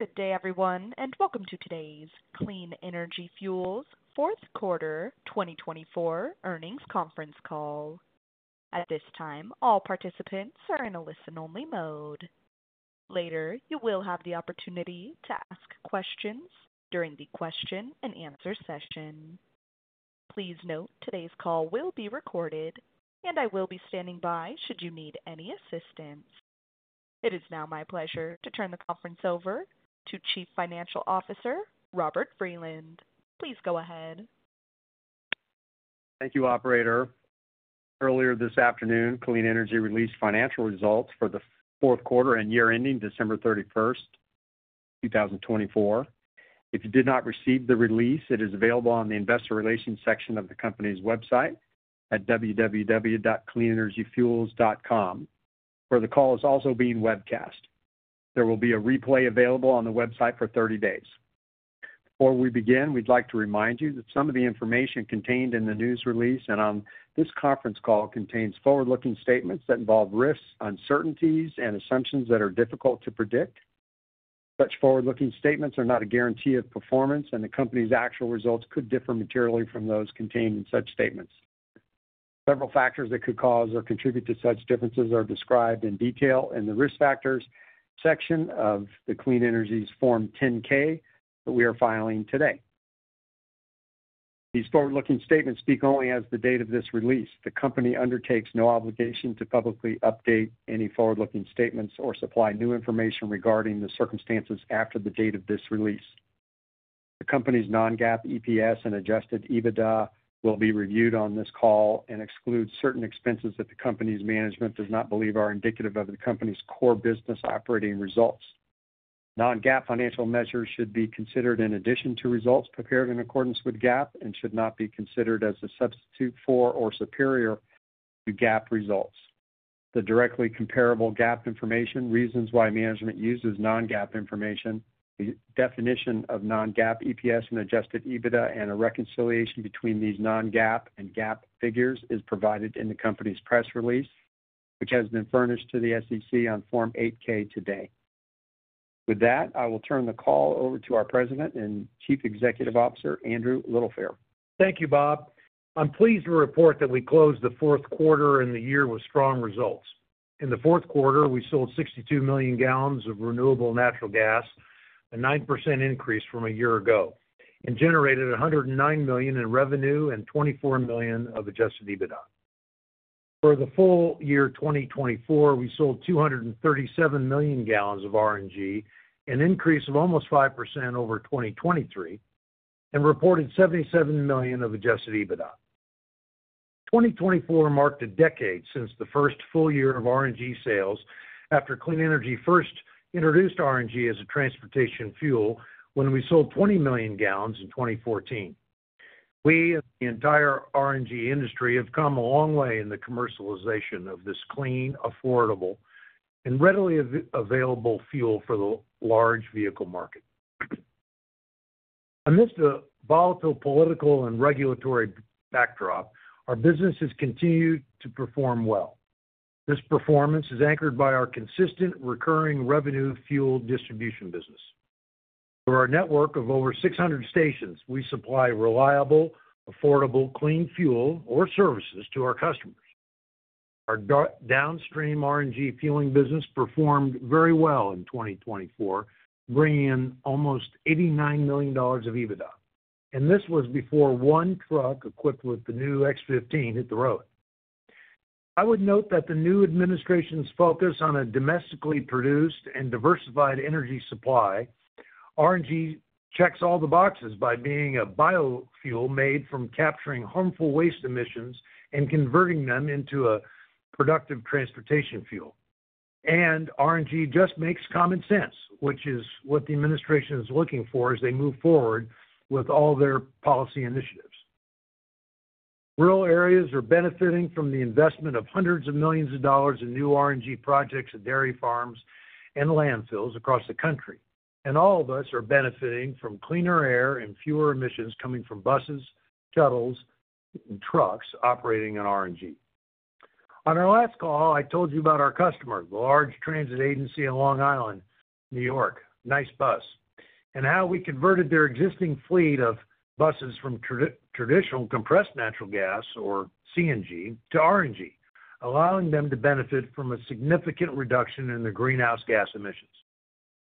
Good day, everyone, and welcome to today's Clean Energy Fuels Fourth Quarter 2024 earnings conference call. At this time, all participants are in a listen-only mode. Later, you will have the opportunity to ask questions during the question-and-answer session. Please note today's call will be recorded, and I will be standing by should you need any assistance. It is now my pleasure to turn the conference over to Chief Financial Officer, Robert Vreeland. Please go ahead. Thank you, Operator. Earlier this afternoon, Clean Energy Fuels released financial results for the fourth quarter and year-ending December 31st, 2024. If you did not receive the release, it is available on the investor relations section of the company's website at www.cleanenergyfuels.com. The call is also being webcast. There will be a replay available on the website for 30 days. Before we begin, we'd like to remind you that some of the information contained in the news release and on this conference call contains forward-looking statements that involve risks, uncertainties, and assumptions that are difficult to predict. Such forward-looking statements are not a guarantee of performance, and the company's actual results could differ materially from those contained in such statements. Several factors that could cause or contribute to such differences are described in detail in the risk factors section of Clean Energy Fuels' Form 10-K that we are filing today. These forward-looking statements speak only as of the date of this release. The company undertakes no obligation to publicly update any forward-looking statements or supply new information regarding the circumstances after the date of this release. The company's non-GAAP EPS and Adjusted EBITDA will be reviewed on this call and exclude certain expenses that the company's management does not believe are indicative of the company's core business operating results. Non-GAAP financial measures should be considered in addition to results prepared in accordance with GAAP and should not be considered as a substitute for or superior to GAAP results. The directly comparable GAAP information, reasons why management uses non-GAAP information, the definition of non-GAAP EPS and Adjusted EBITDA, and a reconciliation between these non-GAAP and GAAP figures are provided in the company's press release, which has been furnished to the SEC on Form 8-K today. With that, I will turn the call over to our President and Chief Executive Officer, Andrew Littlefair. Thank you, Bob. I'm pleased to report that we closed the fourth quarter in the year with strong results. In the fourth quarter, we sold 62 million gallons of renewable natural gas, a 9% increase from a year ago, and generated $109 million in revenue and $24 million of adjusted EBITDA. For the full year 2024, we sold 237 million gallons of RNG, an increase of almost 5% over 2023, and reported $77 million of adjusted EBITDA. 2024 marked a decade since the first full year of RNG sales after Clean Energy first introduced RNG as a transportation fuel when we sold 20 million gallons in 2014. We and the entire RNG industry have come a long way in the commercialization of this clean, affordable, and readily available fuel for the large vehicle market. Amidst a volatile political and regulatory backdrop, our business has continued to perform well. This performance is anchored by our consistent, recurring revenue fuel distribution business. Through our network of over 600 stations, we supply reliable, affordable, clean fuel or services to our customers. Our downstream RNG fueling business performed very well in 2024, bringing in almost $89 million of EBITDA, and this was before one truck equipped with the new X15 hit the road. I would note that the new administration's focus on a domestically produced and diversified energy supply. RNG checks all the boxes by being a biofuel made from capturing harmful waste emissions and converting them into a productive transportation fuel, and RNG just makes common sense, which is what the administration is looking for as they move forward with all their policy initiatives. Rural areas are benefiting from the investment of hundreds of millions of dollars in new RNG projects at dairy farms and landfills across the country. All of us are benefiting from cleaner air and fewer emissions coming from buses, shuttles, and trucks operating on RNG. On our last call, I told you about our customer, the large transit agency in Long Island, New York, NICE Bus, and how we converted their existing fleet of buses from traditional compressed natural gas, or CNG, to RNG, allowing them to benefit from a significant reduction in their greenhouse gas emissions.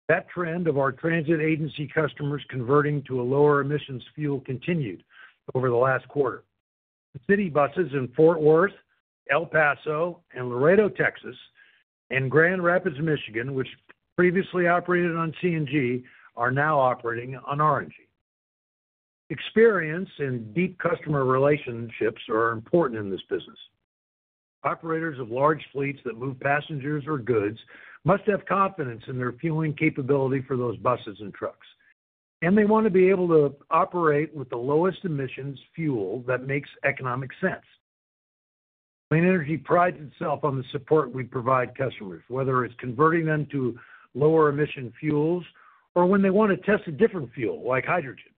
That trend of our transit agency customers converting to a lower emissions fuel continued over the last quarter. City buses in Fort Worth, El Paso, and Laredo, Texas, and Grand Rapids, Michigan, which previously operated on CNG, are now operating on RNG. Experience and deep customer relationships are important in this business. Operators of large fleets that move passengers or goods must have confidence in their fueling capability for those buses and trucks, and they want to be able to operate with the lowest emissions fuel that makes economic sense. Clean Energy prides itself on the support we provide customers, whether it's converting them to lower emission fuels or when they want to test a different fuel like hydrogen.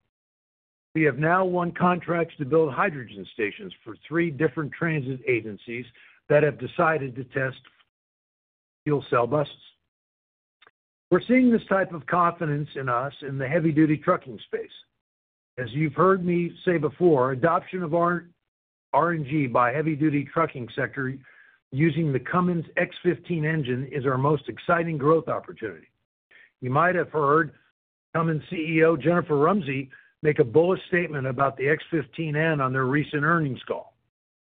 We have now won contracts to build hydrogen stations for three different transit agencies that have decided to test fuel cell buses. We're seeing this type of confidence in us in the heavy-duty trucking space. As you've heard me say before, adoption of RNG by the heavy-duty trucking sector using the Cummins X15 engine is our most exciting growth opportunity. You might have heard Cummins CEO Jennifer Rumsey make a bullish statement about the X15N on their recent earnings call.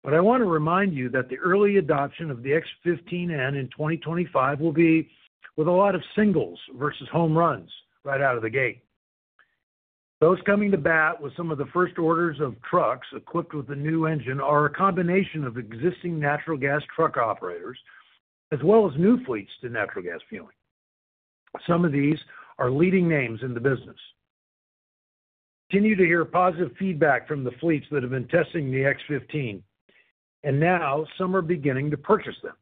But I want to remind you that the early adoption of the X15N in 2025 will be with a lot of singles versus home runs right out of the gate. Those coming to bat with some of the first orders of trucks equipped with the new engine are a combination of existing natural gas truck operators as well as new fleets to natural gas fueling. Some of these are leading names in the business. Continue to hear positive feedback from the fleets that have been testing the X15, and now some are beginning to purchase them.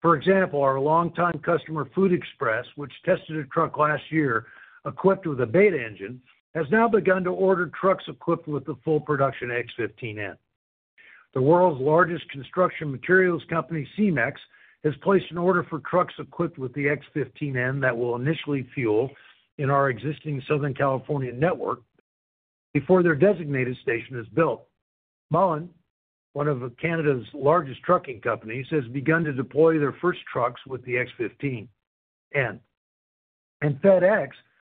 For example, our longtime customer, Food Express, which tested a truck last year equipped with a beta engine, has now begun to order trucks equipped with the full production X15N. The world's largest construction materials company, Cemex, has placed an order for trucks equipped with the X15N that will initially fuel in our existing Southern California network before their designated station is built. Mullen, one of Canada's largest trucking companies, has begun to deploy their first trucks with the X15N. And FedEx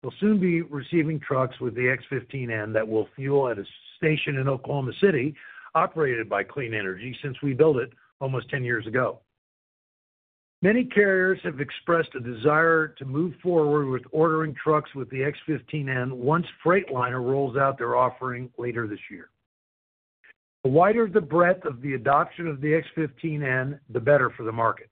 will soon be receiving trucks with the X15N that will fuel at a station in Oklahoma City operated by Clean Energy since we built it almost 10 years ago. Many carriers have expressed a desire to move forward with ordering trucks with the X15N once Freightliner rolls out their offering later this year. The wider the breadth of the adoption of the X15N, the better for the market.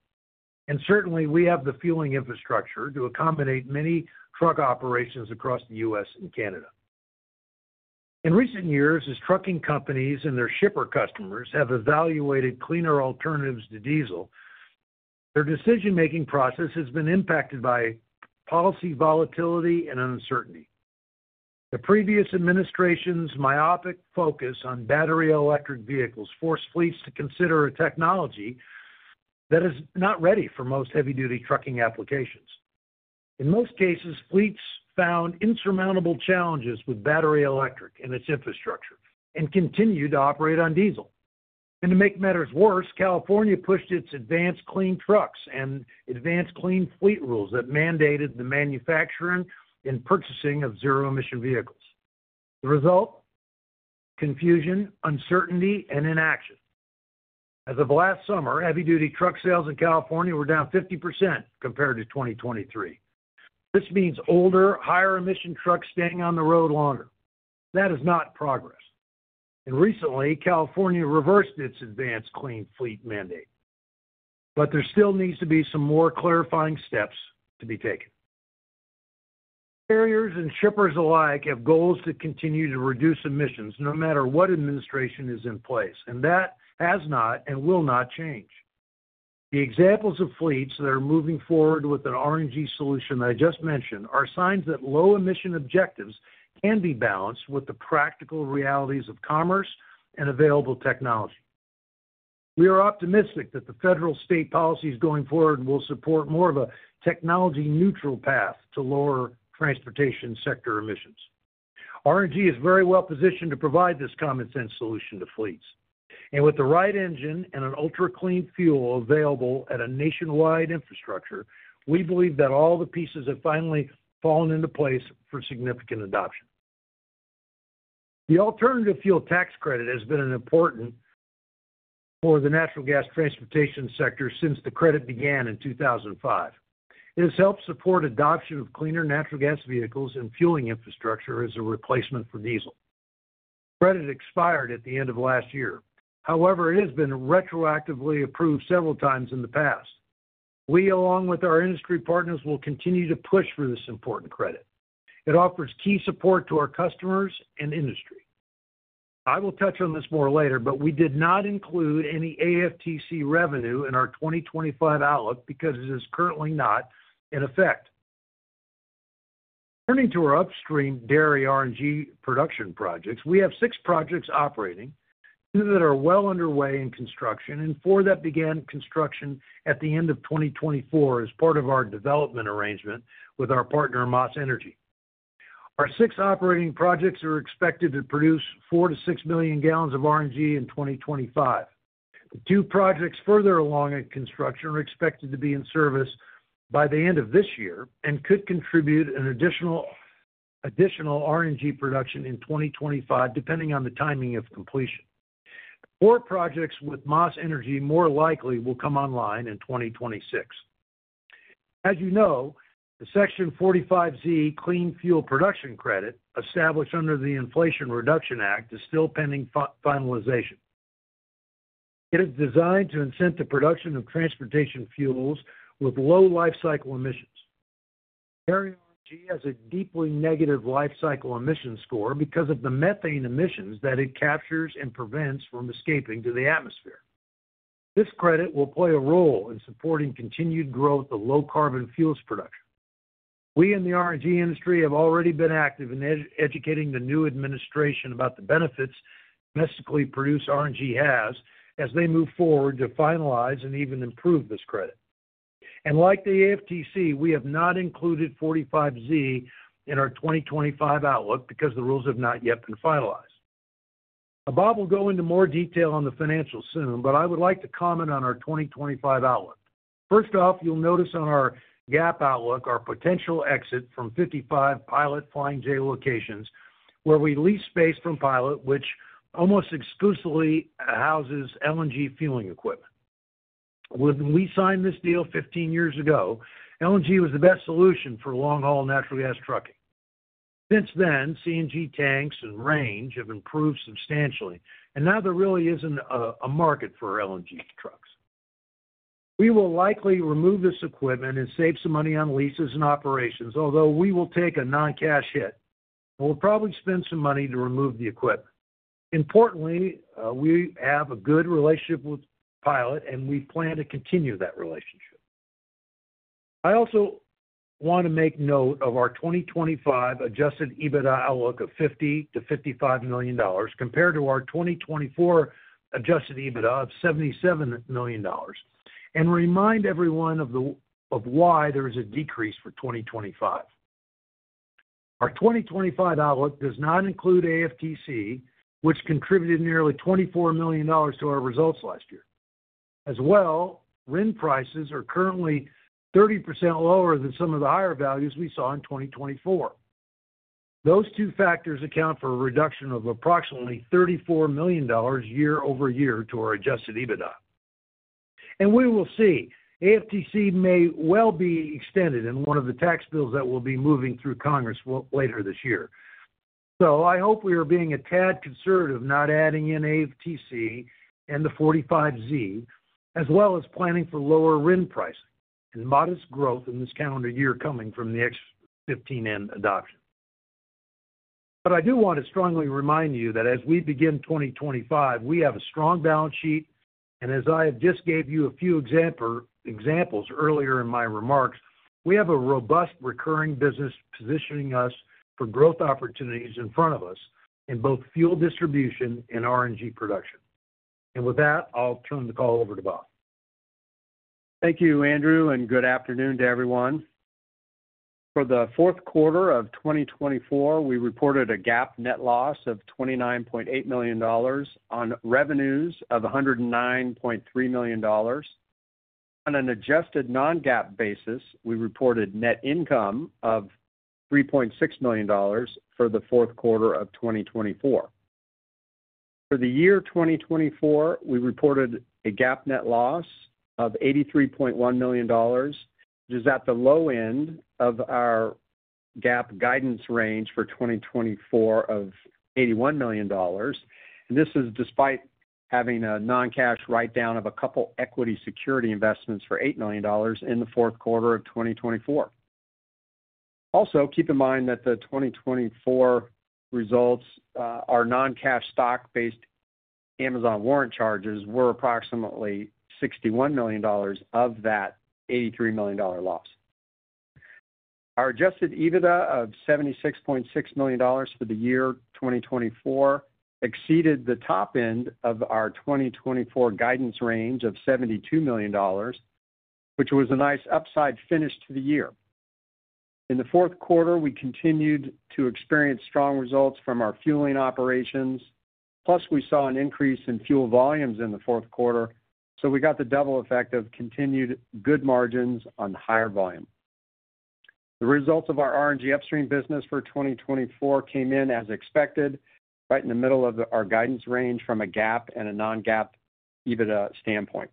And certainly, we have the fueling infrastructure to accommodate many truck operations across the U.S. and Canada. In recent years, as trucking companies and their shipper customers have evaluated cleaner alternatives to diesel, their decision-making process has been impacted by policy volatility and uncertainty. The previous administration's myopic focus on battery electric vehicles forced fleets to consider a technology that is not ready for most heavy-duty trucking applications. In most cases, fleets found insurmountable challenges with battery electric and its infrastructure and continued to operate on diesel. And to make matters worse, California pushed its Advanced Clean Trucks and Advanced Clean Fleets rules that mandated the manufacturing and purchasing of zero-emission vehicles. The result? Confusion, uncertainty, and inaction. As of last summer, heavy-duty truck sales in California were down 50% compared to 2023. This means older, higher-emission trucks staying on the road longer. That is not progress. And recently, California reversed its Advanced Clean Fleets mandate. But there still needs to be some more clarifying steps to be taken. Carriers and shippers alike have goals to continue to reduce emissions no matter what administration is in place, and that has not and will not change. The examples of fleets that are moving forward with an RNG solution I just mentioned are signs that low-emission objectives can be balanced with the practical realities of commerce and available technology. We are optimistic that the federal-state policies going forward will support more of a technology-neutral path to lower transportation sector emissions. RNG is very well positioned to provide this common-sense solution to fleets. And with the right engine and an ultra-clean fuel available at a nationwide infrastructure, we believe that all the pieces have finally fallen into place for significant adoption. The Alternative Fuel Tax Credit has been important for the natural gas transportation sector since the credit began in 2005. It has helped support adoption of cleaner natural gas vehicles and fueling infrastructure as a replacement for diesel. The credit expired at the end of last year. However, it has been retroactively approved several times in the past. We, along with our industry partners, will continue to push for this important credit. It offers key support to our customers and industry. I will touch on this more later, but we did not include any AFTC revenue in our 2025 outlook because it is currently not in effect. Turning to our upstream dairy RNG production projects, we have six projects operating, two that are well underway in construction, and four that began construction at the end of 2024 as part of our development arrangement with our partner, Maas Energy Works. Our six operating projects are expected to produce four to six million gallons of RNG in 2025. The two projects further along in construction are expected to be in service by the end of this year and could contribute an additional RNG production in 2025, depending on the timing of completion. Four projects with Maas Energy more likely will come online in 2026. As you know, the Section 45Z Clean Fuel Production Credit, established under the Inflation Reduction Act, is still pending finalization. It is designed to incent the production of transportation fuels with low life cycle emissions. Dairy RNG has a deeply negative life cycle emission score because of the methane emissions that it captures and prevents from escaping to the atmosphere. This credit will play a role in supporting continued growth of low-carbon fuels production. We in the RNG industry have already been active in educating the new administration about the benefits domestically produced RNG has as they move forward to finalize and even improve this credit. And like the AFTC, we have not included 45Z in our 2025 outlook because the rules have not yet been finalized. Bob will go into more detail on the financials soon, but I would like to comment on our 2025 outlook. First off, you'll notice on our GAAP outlook our potential exit from 55 Pilot Flying J locations where we lease space from Pilot, which almost exclusively houses LNG fueling equipment. When we signed this deal 15 years ago, LNG was the best solution for long-haul natural gas trucking. Since then, CNG tanks and range have improved substantially, and now there really isn't a market for LNG trucks. We will likely remove this equipment and save some money on leases and operations, although we will take a non-cash hit. We'll probably spend some money to remove the equipment. Importantly, we have a good relationship with Pilot, and we plan to continue that relationship. I also want to make note of our 2025 adjusted EBITDA outlook of $50-$55 million compared to our 2024 adjusted EBITDA of $77 million. And remind everyone of why there is a decrease for 2025. Our 2025 outlook does not include AFTC, which contributed nearly $24 million to our results last year. As well, RIN prices are currently 30% lower than some of the higher values we saw in 2024. Those two factors account for a reduction of approximately $34 million year over year to our adjusted EBITDA. And we will see. AFTC may well be extended in one of the tax bills that will be moving through Congress later this year, so I hope we are being a tad conservative not adding in AFTC and the 45Z as well as planning for lower RIN pricing and modest growth in this calendar year coming from the X15N adoption, but I do want to strongly remind you that as we begin 2025, we have a strong balance sheet, and as I just gave you a few examples earlier in my remarks, we have a robust recurring business positioning us for growth opportunities in front of us in both fuel distribution and RNG production, and with that, I'll turn the call over to Bob. Thank you, Andrew, and good afternoon to everyone. For the fourth quarter of 2024, we reported a GAAP net loss of $29.8 million on revenues of $109.3 million. On an adjusted non-GAAP basis, we reported net income of $3.6 million for the fourth quarter of 2024. For the year 2024, we reported a GAAP net loss of $83.1 million, which is at the low end of our GAAP guidance range for 2024 of $81 million. This is despite having a non-cash write-down of a couple equity security investments for $8 million in the fourth quarter of 2024. Also, keep in mind that the 2024 results' non-cash stock-based Amazon warrant charges were approximately $61 million of that $83 million loss. Our adjusted EBITDA of $76.6 million for the year 2024 exceeded the top end of our 2024 guidance range of $72 million, which was a nice upside finish to the year. In the fourth quarter, we continued to experience strong results from our fueling operations, plus we saw an increase in fuel volumes in the fourth quarter, so we got the double effect of continued good margins on higher volume. The results of our RNG upstream business for 2024 came in as expected, right in the middle of our guidance range from a GAAP and a non-GAAP EBITDA standpoint.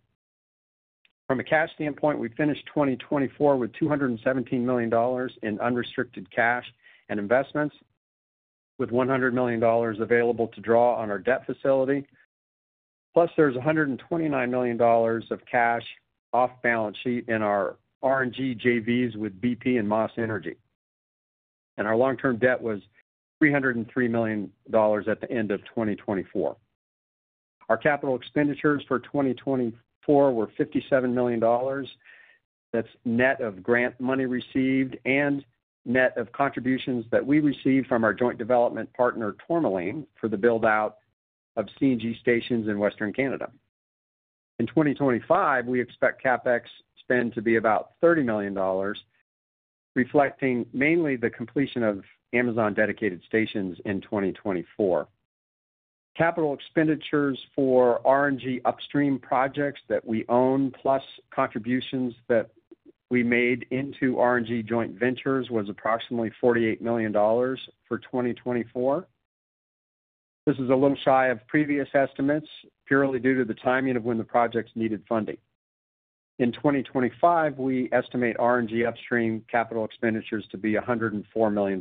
From a cash standpoint, we finished 2024 with $217 million in unrestricted cash and investments, with $100 million available to draw on our debt facility. Plus, there's $129 million of cash off balance sheet in our RNG JVs with BP and Maas Energy Works. And our long-term debt was $303 million at the end of 2024. Our capital expenditures for 2024 were $57 million. That's net of grant money received and net of contributions that we received from our joint development partner, Tourmaline, for the build-out of CNG stations in Western Canada. In 2025, we expect CapEx spend to be about $30 million, reflecting mainly the completion of Amazon-dedicated stations in 2024. Capital expenditures for RNG upstream projects that we own, plus contributions that we made into RNG joint ventures, was approximately $48 million for 2024. This is a little shy of previous estimates purely due to the timing of when the projects needed funding. In 2025, we estimate RNG upstream capital expenditures to be $104 million.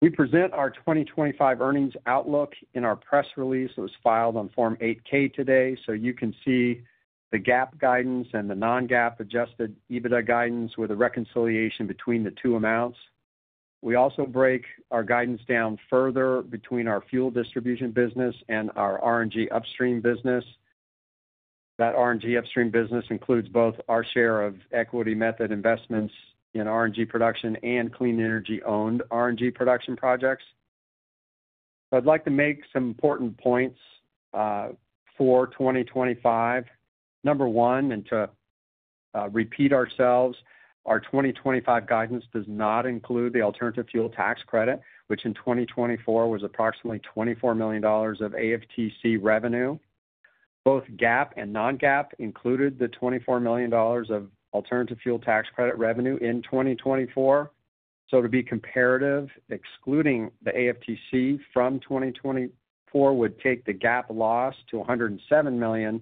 We present our 2025 earnings outlook in our press release that was filed on Form 8-K today, so you can see the GAAP guidance and the non-GAAP adjusted EBITDA guidance with a reconciliation between the two amounts. We also break our guidance down further between our fuel distribution business and our RNG upstream business. That RNG upstream business includes both our share of equity method investments in RNG production and Clean Energy-owned RNG production projects. So I'd like to make some important points for 2025. Number one, and to repeat ourselves, our 2025 guidance does not include the Alternative Fuel Tax Credit, which in 2024 was approximately $24 million of AFTC revenue. Both GAAP and non-GAAP included the $24 million of Alternative Fuel Tax Credit revenue in 2024. So to be comparative, excluding the AFTC from 2024 would take the GAAP loss to $107 million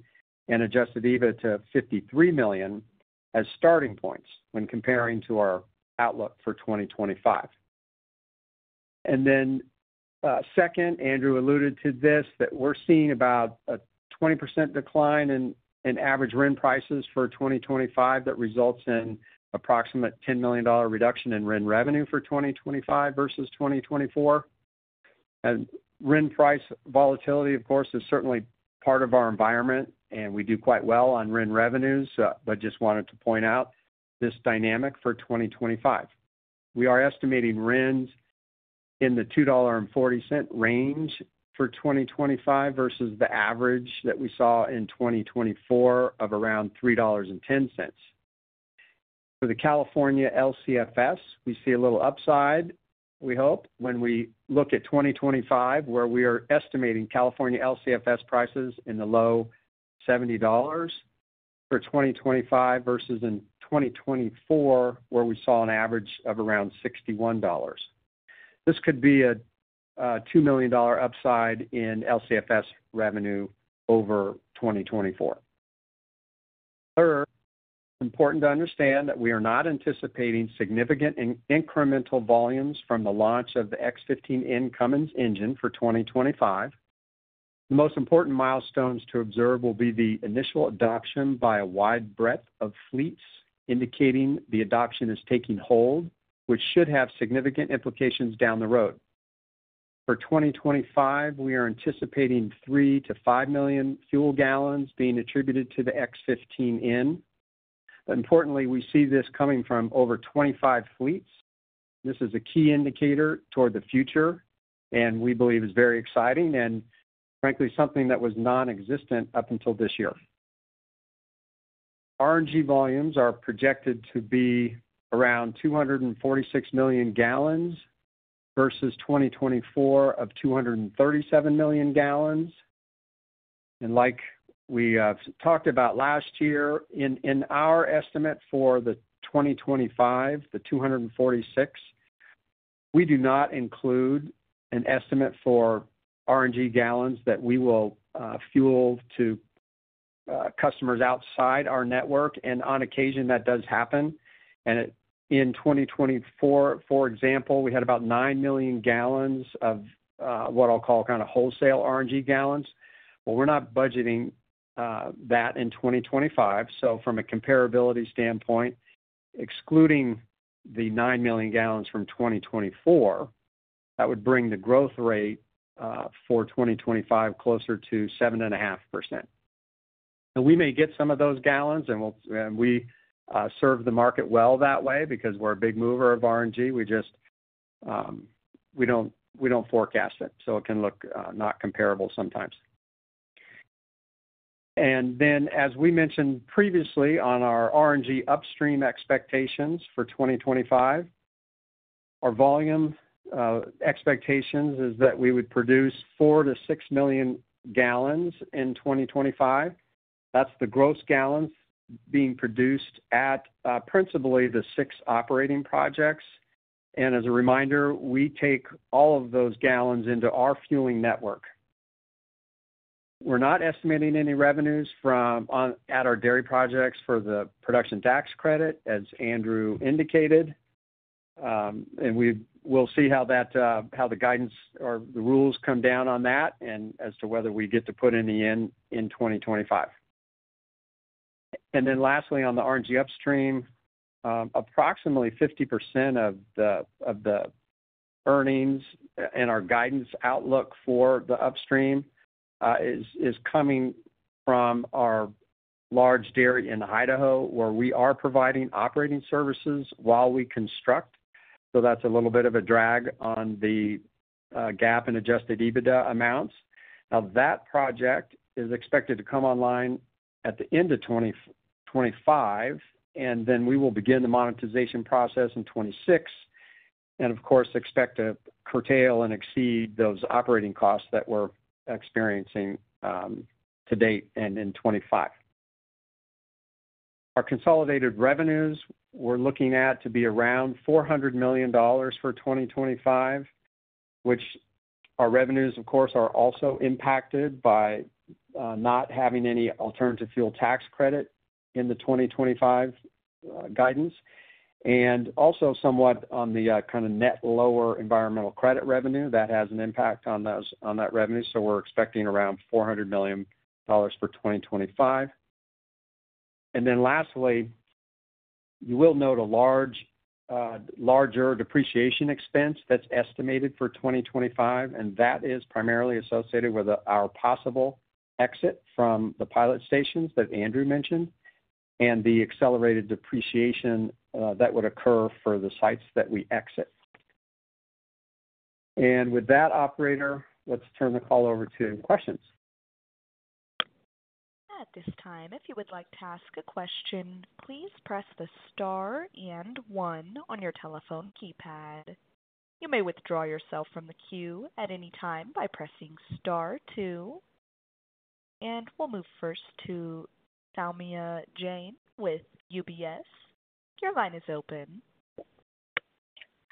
and Adjusted EBITDA to $53 million as starting points when comparing to our outlook for 2025. And then second, Andrew alluded to this, that we're seeing about a 20% decline in average RIN prices for 2025 that results in an approximate $10 million reduction in RIN revenue for 2025 versus 2024. And RIN price volatility, of course, is certainly part of our environment, and we do quite well on RIN revenues, but just wanted to point out this dynamic for 2025. We are estimating RINs in the $2.40 range for 2025 versus the average that we saw in 2024 of around $3.10. For the California LCFS, we see a little upside, we hope, when we look at 2025, where we are estimating California LCFS prices in the low $70 for 2025 versus in 2024, where we saw an average of around $61. This could be a $2 million upside in LCFS revenue over 2024. Third, it's important to understand that we are not anticipating significant incremental volumes from the launch of the X15N Cummins engine for 2025. The most important milestones to observe will be the initial adoption by a wide breadth of fleets, indicating the adoption is taking hold, which should have significant implications down the road. For 2025, we are anticipating three to five million fuel gallons being attributed to the X15N. But importantly, we see this coming from over 25 fleets. This is a key indicator toward the future, and we believe is very exciting and, frankly, something that was nonexistent up until this year. RNG volumes are projected to be around 246 million gallons versus 2024 of 237 million gallons. Like we talked about last year, in our estimate for 2025, the 2.46, we do not include an estimate for RNG gallons that we will fuel to customers outside our network, and on occasion that does happen. In 2024, for example, we had about 9 million gallons of what I'll call kind of wholesale RNG gallons. Well, we're not budgeting that in 2025. So from a comparability standpoint, excluding the 9 million gallons from 2024, that would bring the growth rate for 2025 closer to 7.5%. We may get some of those gallons, and we serve the market well that way because we're a big mover of RNG. We don't forecast it, so it can look not comparable sometimes. And then, as we mentioned previously on our RNG upstream expectations for 2025, our volume expectations is that we would produce 4-6 million gallons in 2025. That's the gross gallons being produced at principally the six operating projects. And as a reminder, we take all of those gallons into our fueling network. We're not estimating any revenues at our dairy projects for the production 45Z credit, as Andrew indicated. And we'll see how the guidance or the rules come down on that and as to whether we get to put any in 2025. And then lastly, on the RNG upstream, approximately 50% of the earnings and our guidance outlook for the upstream is coming from our large dairy in Idaho, where we are providing operating services while we construct. So that's a little bit of a drag on the GAAP and Adjusted EBITDA amounts. Now, that project is expected to come online at the end of 2025, and then we will begin the monetization process in 2026, and of course expect to curtail and exceed those operating costs that we're experiencing to date and in 2025. Our consolidated revenues, we're looking at to be around $400 million for 2025, which our revenues, of course, are also impacted by not having any Alternative Fuel Tax Credit in the 2025 guidance, and also somewhat on the kind of net lower environmental credit revenue, that has an impact on that revenue, so we're expecting around $400 million for 2025. And then lastly, you will note a larger depreciation expense that's estimated for 2025, and that is primarily associated with our possible exit from the Pilot stations that Andrew mentioned and the accelerated depreciation that would occur for the sites that we exit. And with that, operator, let's turn the call over to questions. At this time, if you would like to ask a question, please press the star and one on your telephone keypad. You may withdraw yourself from the queue at any time by pressing star two. And we'll move first to Saumya Jain with UBS. Your line is open.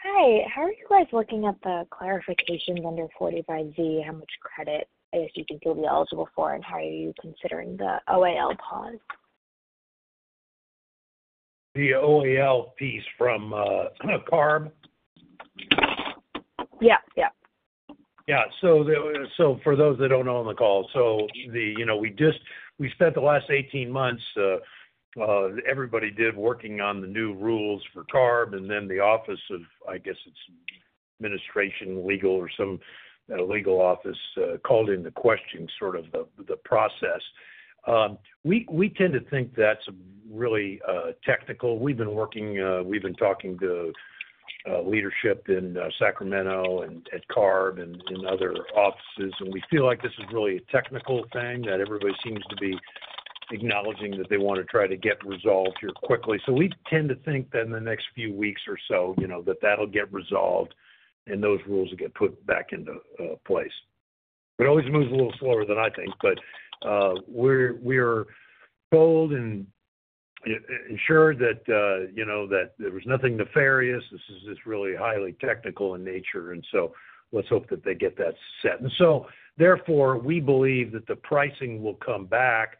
Hi. How are you guys looking at the clarifications under 45Z? How much credit do you think you'll be eligible for, and how are you considering the OAL pause? The OAL piece from CARB? Yeah. Yeah. Yeah. So for those that don't know on the call, so we spent the last 18 months, everybody did working on the new rules for CARB, and then the Office of, I guess it's Administrative Law or some legal office called into question sort of the process. We tend to think that's really technical. We've been working, we've been talking to leadership in Sacramento and at CARB and other offices, and we feel like this is really a technical thing that everybody seems to be acknowledging that they want to try to get resolved here quickly. So we tend to think that in the next few weeks or so, that that'll get resolved and those rules will get put back into place. It always moves a little slower than I think, but we are bold and ensured that there was nothing nefarious. This is really highly technical in nature, and so let's hope that they get that set. And so therefore, we believe that the pricing will come back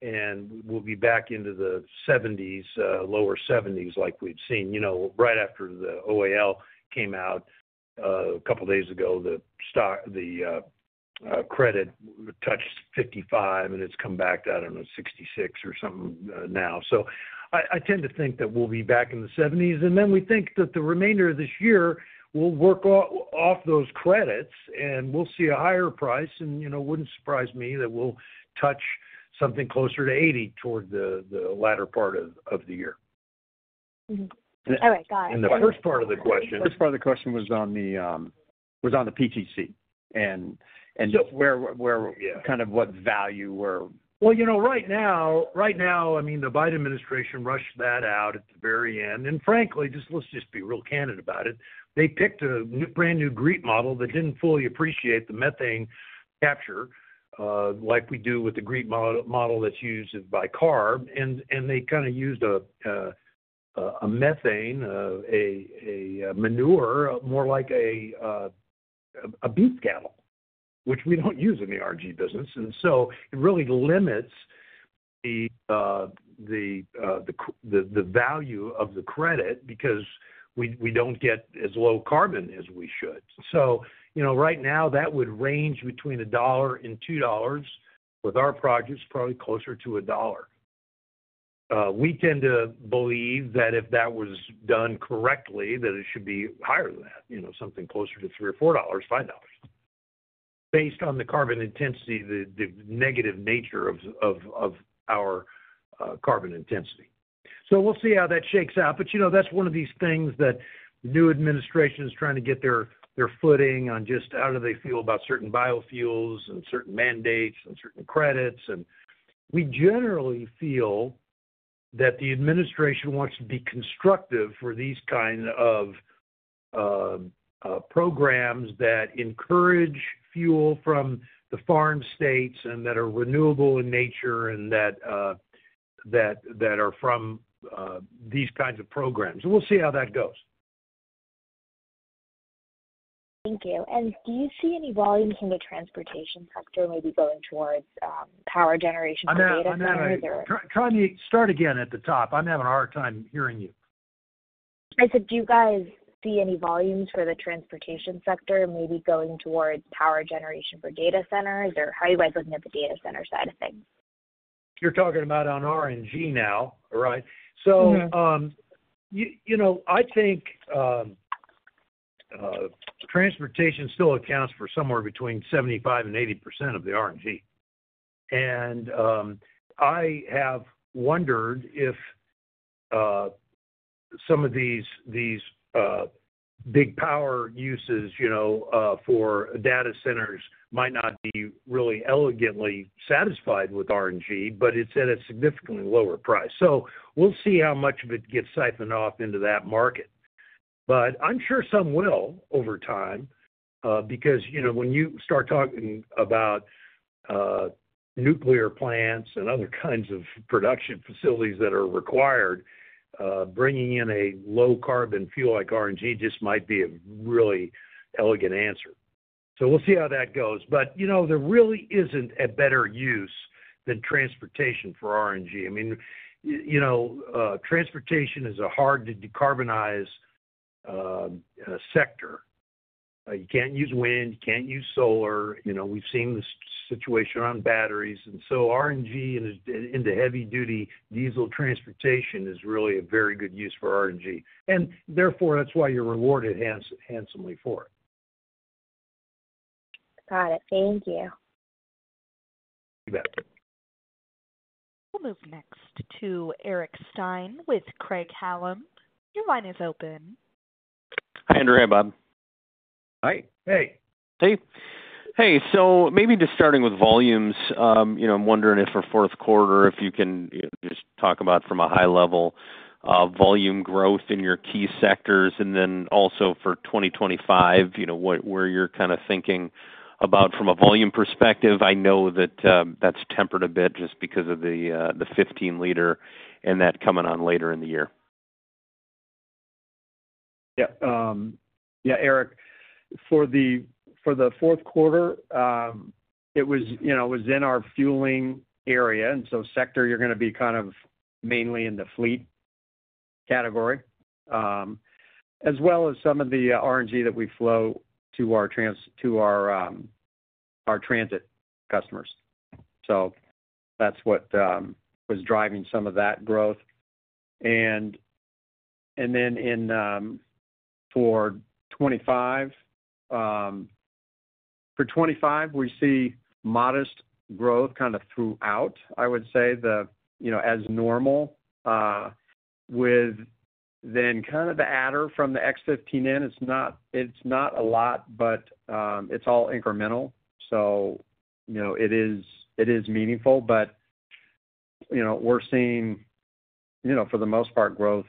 and we'll be back into the 70s, lower 70s like we've seen. Right after the OAL came out a couple of days ago, the credit touched 55, and it's come back down to 66 or something now. So I tend to think that we'll be back in the 70s, and then we think that the remainder of this year we'll work off those credits and we'll see a higher price, and it wouldn't surprise me that we'll touch something closer to 80 toward the latter part of the year. All right. Got it. And the first part of the question. First part of the question was on the PTC and kind of what value we're Well, right now, I mean, the Biden administration rushed that out at the very end. And frankly, just let's be real candid about it. They picked a brand new GREET model that didn't fully appreciate the methane capture like we do with the GREET model that's used by CARB, and they kind of used a methane from manure more like a beef cattle, which we don't use in the RNG business. And so it really limits the value of the credit because we don't get as low carbon as we should. So right now, that would range between $1 and $2 with our projects, probably closer to $1. We tend to believe that if that was done correctly, that it should be higher than that, something closer to $3 or $4, $5, based on the carbon intensity, the negative nature of our carbon intensity. We'll see how that shakes out, but that's one of these things that the new administration is trying to get their footing on just how do they feel about certain biofuels and certain mandates and certain credits. We generally feel that the administration wants to be constructive for these kinds of programs that encourage fuel from the farm states and that are renewable in nature and that are from these kinds of programs. We'll see how that goes. Thank you. Do you see any volumes in the transportation sector maybe going towards power generation for data centers? I'm having a hard time hearing you. I said, do you guys see any volumes for the transportation sector maybe going towards power generation for data centers, or how are you guys looking at the data center side of things? You're talking about RNG now, right? So I think transportation still accounts for somewhere between 75%-80% of the RNG. And I have wondered if some of these big power uses for data centers might not be really elegantly satisfied with RNG, but it's at a significantly lower price. So we'll see how much of it gets siphoned off into that market. But I'm sure some will over time because when you start talking about nuclear plants and other kinds of production facilities that are required, bringing in a low-carbon fuel like RNG just might be a really elegant answer. So we'll see how that goes. But there really isn't a better use than transportation for RNG. I mean, transportation is a hard-to-decarbonize sector. You can't use wind, you can't use solar. We've seen the situation on batteries. And so RNG into heavy-duty diesel transportation is really a very good use for RNG. And therefore, that's why you're rewarded handsomely for it. Got it. Thank you. You bet. We'll move next to Eric Stine with Craig-Hallum. Your line is open. Hi, Andrew, Bob. Hi. Hey. Hey. Hey. So maybe just starting with volumes, I'm wondering if for fourth quarter, if you can just talk about from a high-level volume growth in your key sectors, and then also for 2025, what you're kind of thinking about from a volume perspective. I know that that's tempered a bit just because of the 15-liter and that coming on later in the year. Yeah. Yeah, Eric, for the fourth quarter, it was in our fueling area. And so, sector, you're going to be kind of mainly in the fleet category, as well as some of the RNG that we flow to our transit customers. So that's what was driving some of that growth. And then for 2025, we see modest growth kind of throughout, I would say, as normal, with then kind of the adder from the X15N. It's not a lot, but it's all incremental. So it is meaningful, but we're seeing, for the most part, growth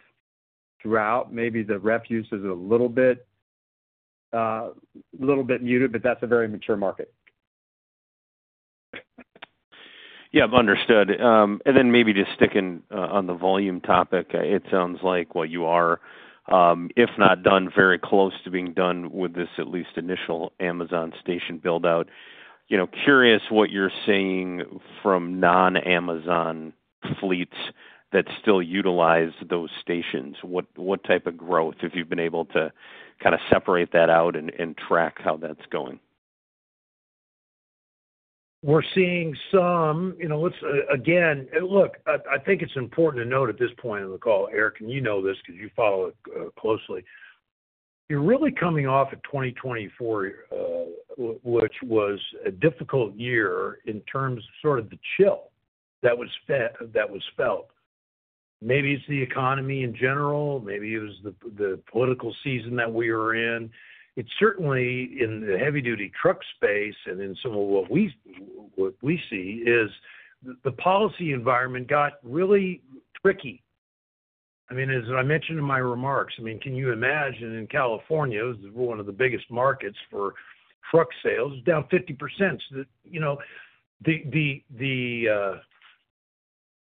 throughout. Maybe the refuse is a little bit muted, but that's a very mature market. Yeah, understood. And then maybe just sticking on the volume topic, it sounds like what you are, if not done, very close to being done with this at least initial Amazon station buildout. Curious what you're seeing from non-Amazon fleets that still utilize those stations. What type of growth, if you've been able to kind of separate that out and track how that's going? We're seeing some. Again, look, I think it's important to note at this point in the call, Eric, and you know this because you follow it closely. You're really coming off at 2024, which was a difficult year in terms of sort of the chill that was felt. Maybe it's the economy in general. Maybe it was the political season that we were in. It's certainly in the heavy-duty truck space, and in some of what we see is the policy environment got really tricky. I mean, as I mentioned in my remarks, can you imagine in California, one of the biggest markets for truck sales, down 50%?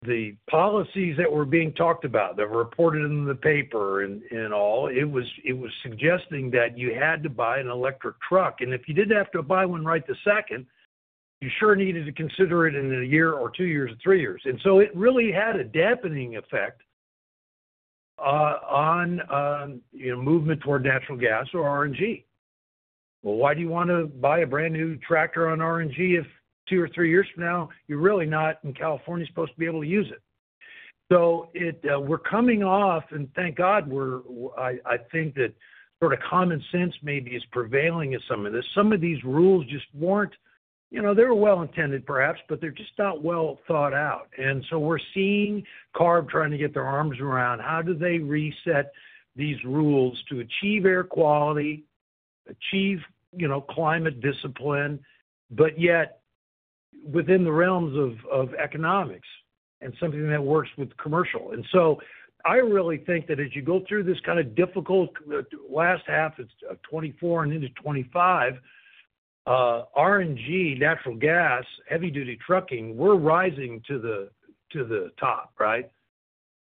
The policies that were being talked about, that were reported in the paper and all, it was suggesting that you had to buy an electric truck, and if you didn't have to buy one right the second, you sure needed to consider it in a year or two years or three years, and so it really had a dampening effect on movement toward natural gas or RNG. Well, why do you want to buy a brand new tractor on RNG if two or three years from now, you're really not in California supposed to be able to use it? So we're coming off, and thank God, I think that sort of common sense maybe is prevailing in some of this. Some of these rules just weren't. They were well-intended, perhaps, but they're just not well thought out. And so we're seeing CARB trying to get their arms around how do they reset these rules to achieve air quality, achieve climate discipline, but yet within the realms of economics and something that works with commercial. And so I really think that as you go through this kind of difficult last half of 2024 and into 2025, RNG, natural gas, heavy-duty trucking, we're rising to the top, right?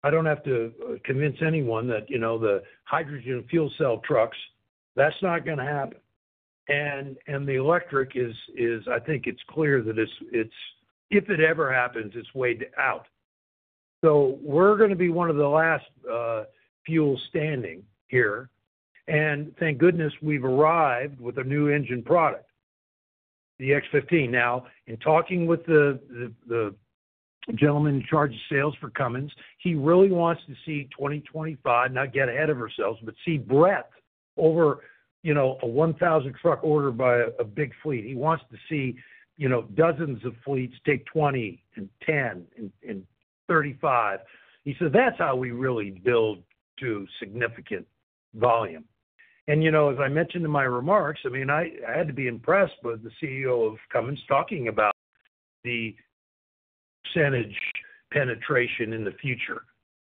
I don't have to convince anyone that the hydrogen fuel cell trucks, that's not going to happen. And the electric is, I think it's clear that if it ever happens, it's way out. So we're going to be one of the last fuels standing here. And thank goodness we've arrived with a new engine product, the X15. Now, in talking with the gentleman in charge of sales for Cummins, he really wants to see 2025, not get ahead of ourselves, but see breadth over a 1,000 truck order by a big fleet. He wants to see dozens of fleets take 20 and 10 and 35. He said, "That's how we really build to significant volume." And as I mentioned in my remarks, I mean, I had to be impressed with the CEO of Cummins talking about the percentage penetration in the future.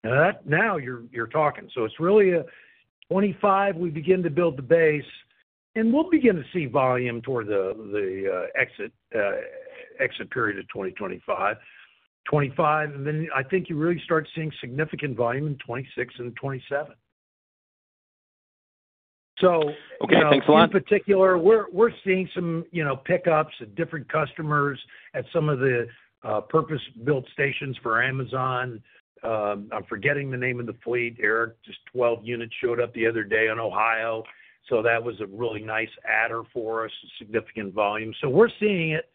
Now you're talking. So it's really 2025, we begin to build the base, and we'll begin to see volume toward the exit period of 2025. 2025, and then I think you really start seeing significant volume in 2026 and 2027. So in particular, we're seeing some pickups at different customers at some of the purpose-built stations for Amazon. I'm forgetting the name of the fleet, Eric. Just 12 units showed up the other day in Ohio. So that was a really nice adder for us, significant volume. So we're seeing it.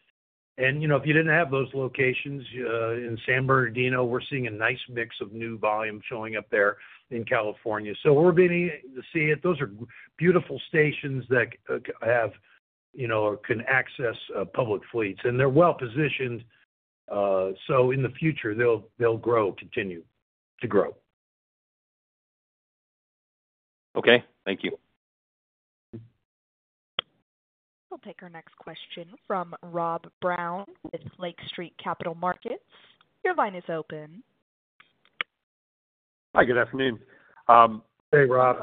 And if you didn't have those locations in San Bernardino, we're seeing a nice mix of new volume showing up there in California. So we're beginning to see it. Those are beautiful stations that have or can access public fleets, and they're well-positioned. So in the future, they'll grow, continue to grow. Okay. Thank you. We'll take our next question from Rob Brown with Lake Street Capital Markets. Your line is open. Hi, good afternoon. Hey, Rob.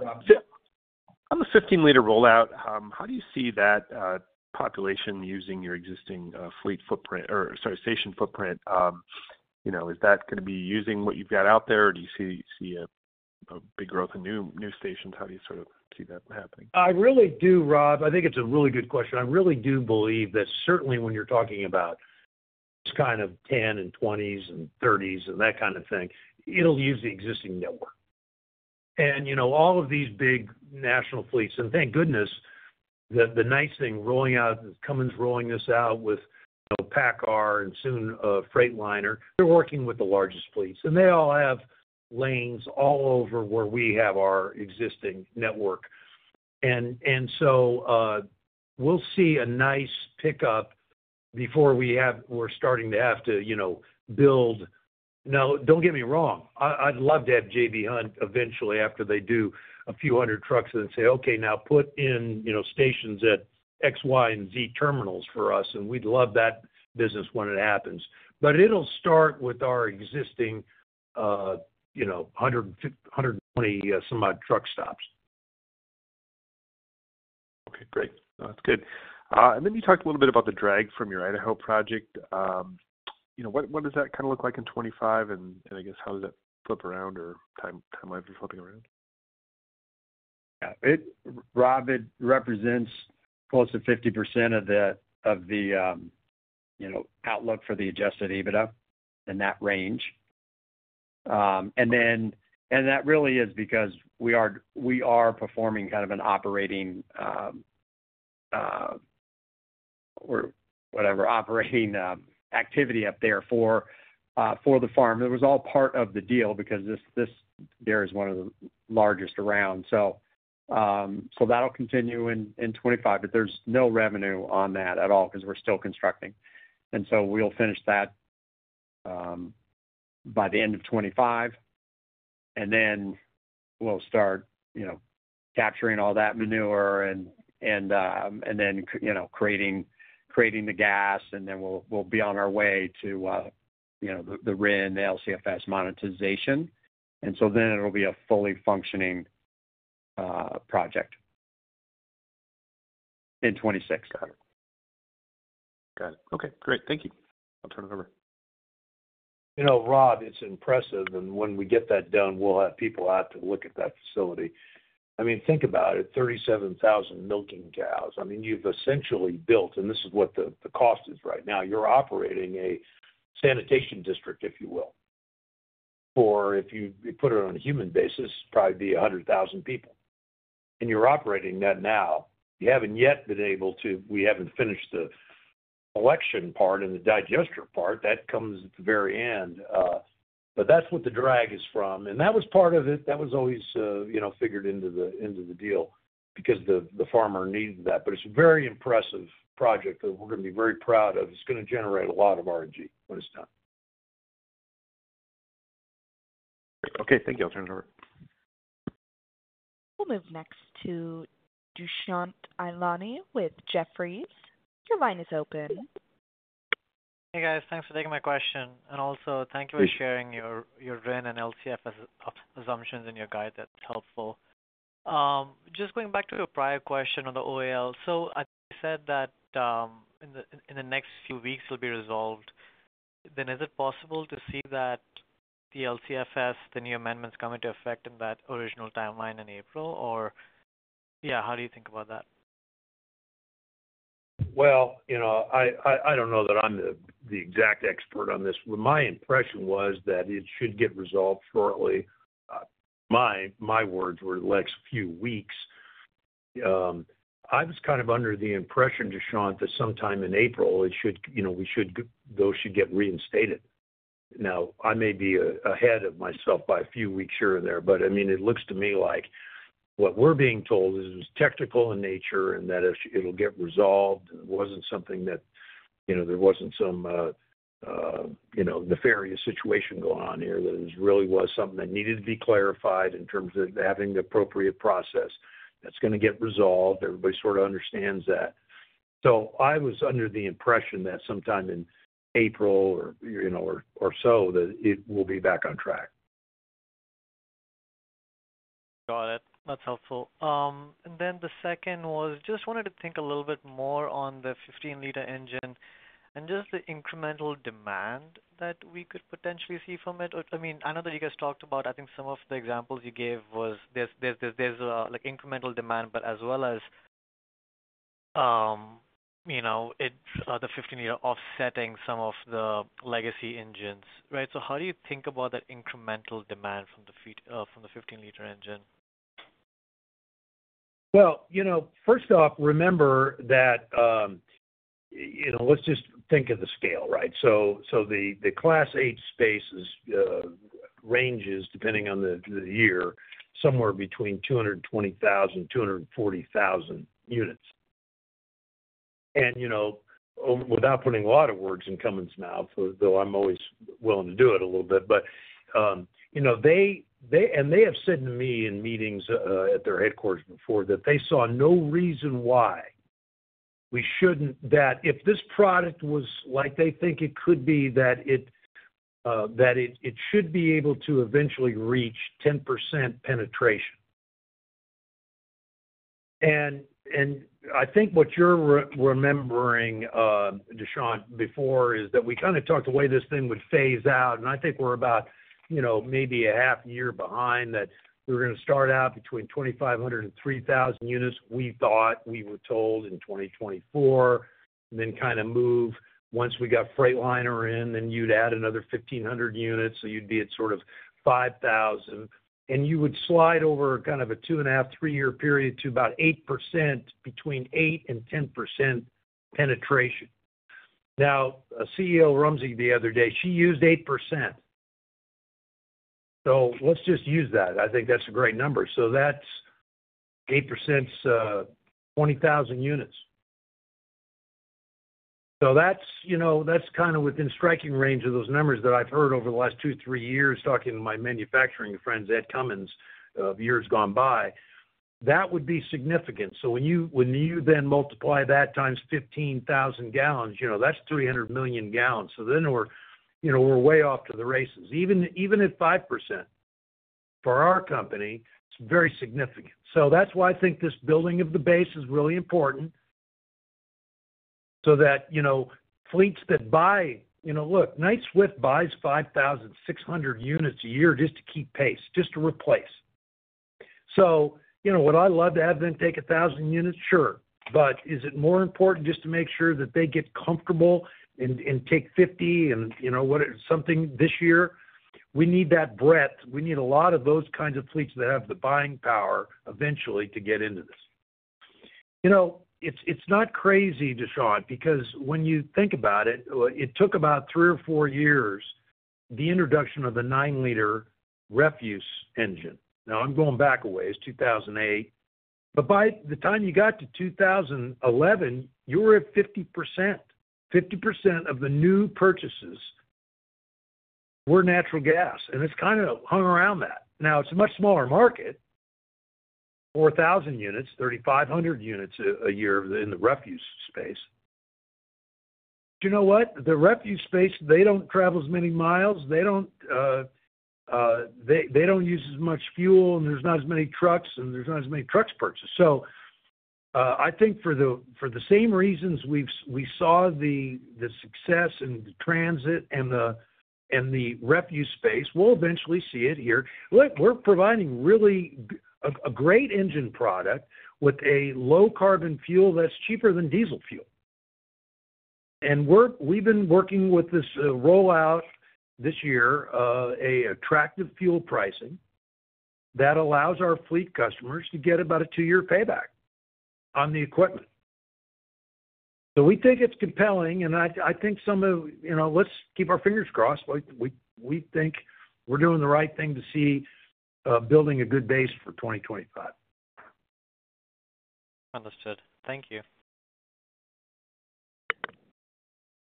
On the 15-liter rollout. How do you see that population using your existing fleet footprint or, sorry, station footprint? Is that going to be using what you've got out there, or do you see a big growth in new stations? How do you sort of see that happening? I really do, Rob. I think it's a really good question. I really do believe that certainly when you're talking about kind of 10 and 20s and 30s and that kind of thing, it'll use the existing network. And all of these big national fleets, and thank goodness, the nice thing rolling out, Cummins rolling this out with PACCAR and soon Freightliner, they're working with the largest fleets, and they all have lanes all over where we have our existing network. And so we'll see a nice pickup before we're starting to have to build. Now, don't get me wrong. I'd love to have J.B. Hunt eventually after they do a few hundred trucks and say, "Okay, now put in stations at X, Y, and Z terminals for us," and we'd love that business when it happens. But it'll start with our existing 120-some-odd truck stops. Okay. Great. That's good. And then you talked a little bit about the drag from your Idaho project. What does that kind of look like in 2025? And I guess how does that flip around or timeline for flipping around? Rob, it represents close to 50% of the outlook for the Adjusted EBITDA in that range. And that really is because we are performing kind of an operating or whatever operating activity up there for the farm. It was all part of the deal because this there is one of the largest around. So that'll continue in 2025, but there's no revenue on that at all because we're still constructing. And so we'll finish that by the end of 2025. And then we'll start capturing all that manure and then creating the gas. And then we'll be on our way to the RIN, the LCFS monetization. And so then it'll be a fully functioning project in 2026. Got it. Got it. Okay. Great. Thank you. I'll turn it over. Rob, it's impressive. And when we get that done, we'll have people out to look at that facility. I mean, think about it, 37,000 milking cows. I mean, you've essentially built, and this is what the cost is right now. You're operating a sanitation district, if you will, for if you put it on a human basis, it'd probably be 100,000 people. And you're operating that now. You haven't yet been able to. We haven't finished the collection part and the digester part. That comes at the very end. But that's what the drag is from. And that was part of it. That was always figured into the deal because the farmer needed that. But it's a very impressive project that we're going to be very proud of. It's going to generate a lot of RNG when it's done. Okay. Thank you. I'll turn it over. We'll move next to Dushyant Ailani with Jefferies. Your line is open. Hey, guys. Thanks for taking my question. And also, thank you for sharing your RIN and LCFS assumptions in your guide. That's helpful. Just going back to your prior question on the OAL, so I said that in the next few weeks, it'll be resolved. Then is it possible to see that the LCFS, the new amendments come into effect in that original timeline in April? Or yeah, how do you think about that? Well, I don't know that I'm the exact expert on this. My impression was that it should get resolved shortly. My words were the next few weeks. I was kind of under the impression, Dushyant, that sometime in April, we should get reinstated. Now, I may be ahead of myself by a few weeks here and there, but I mean, it looks to me like what we're being told is it was technical in nature and that it'll get resolved. It wasn't something that there wasn't some nefarious situation going on here that really was something that needed to be clarified in terms of having the appropriate process. That's going to get resolved. Everybody sort of understands that, so I was under the impression that sometime in April or so that it will be back on track. Got it. That's helpful. And then the second was just wanted to think a little bit more on the 15-liter engine and just the incremental demand that we could potentially see from it. I mean, I know that you guys talked about, I think some of the examples you gave was there's incremental demand, but as well as the 15-liter offsetting some of the legacy engines, right? So how do you think about that incremental demand from the 15-liter engine? Well, first off, remember that let's just think of the scale, right? So the Class 8 space ranges, depending on the year, somewhere between 220,000-240,000 units. And without putting a lot of words in Cummins' mouth, though I'm always willing to do it a little bit, but they, and they have said to me in meetings at their headquarters before that they saw no reason why we shouldn't, that if this product was like they think it could be, that it should be able to eventually reach 10% penetration. I think what you're remembering, Dushyant, before is that we kind of talked the way this thing would phase out, and I think we're about maybe a half year behind that we were going to start out between 2,500 and 3,000 units. We thought we were told in 2024, then kind of move once we got Freightliner in, then you'd add another 1,500 units, so you'd be at sort of 5,000. And you would slide over kind of a two-and-a-half, three-year period to about 8% between 8% and 10% penetration. Now, CEO Rumsey the other day, she used 8%. So let's just use that. I think that's a great number. So that's 8%, 20,000 units. So that's kind of within striking range of those numbers that I've heard over the last two, three years talking to my manufacturing friends at Cummins of years gone by. That would be significant. So when you then multiply that times 15,000 gallons, that's 300 million gallons. So then we're way off to the races. Even at 5% for our company, it's very significant. So that's why I think this building of the base is really important so that fleets that buy, look, Knight-Swift buys 5,600 units a year just to keep pace, just to replace. So would I love to have them take 1,000 units? Sure. But is it more important just to make sure that they get comfortable and take 50 and something this year? We need that breadth. We need a lot of those kinds of fleets that have the buying power eventually to get into this. It's not crazy, Dushyant, because when you think about it, it took about three or four years the introduction of the 9-liter refuse engine. Now, I'm going back a ways. 2008. But by the time you got to 2011, you were at 50%. 50% of the new purchases were natural gas. And it's kind of hung around that. Now, it's a much smaller market, 4,000 units, 3,500 units a year in the refuse space. But you know what? The refuse space, they don't travel as many miles. They don't use as much fuel, and there's not as many trucks, and there's not as many trucks purchased. So I think for the same reasons we saw the success and the transit and the Refuse space, we'll eventually see it here. Look, we're providing really a great engine product with a low-carbon fuel that's cheaper than diesel fuel. And we've been working with this rollout this year, an attractive fuel pricing that allows our fleet customers to get about a two-year payback on the equipment. So we think it's compelling, and I think some of, let's keep our fingers crossed. We think we're doing the right thing to see building a good base for 2025. Understood. Thank you.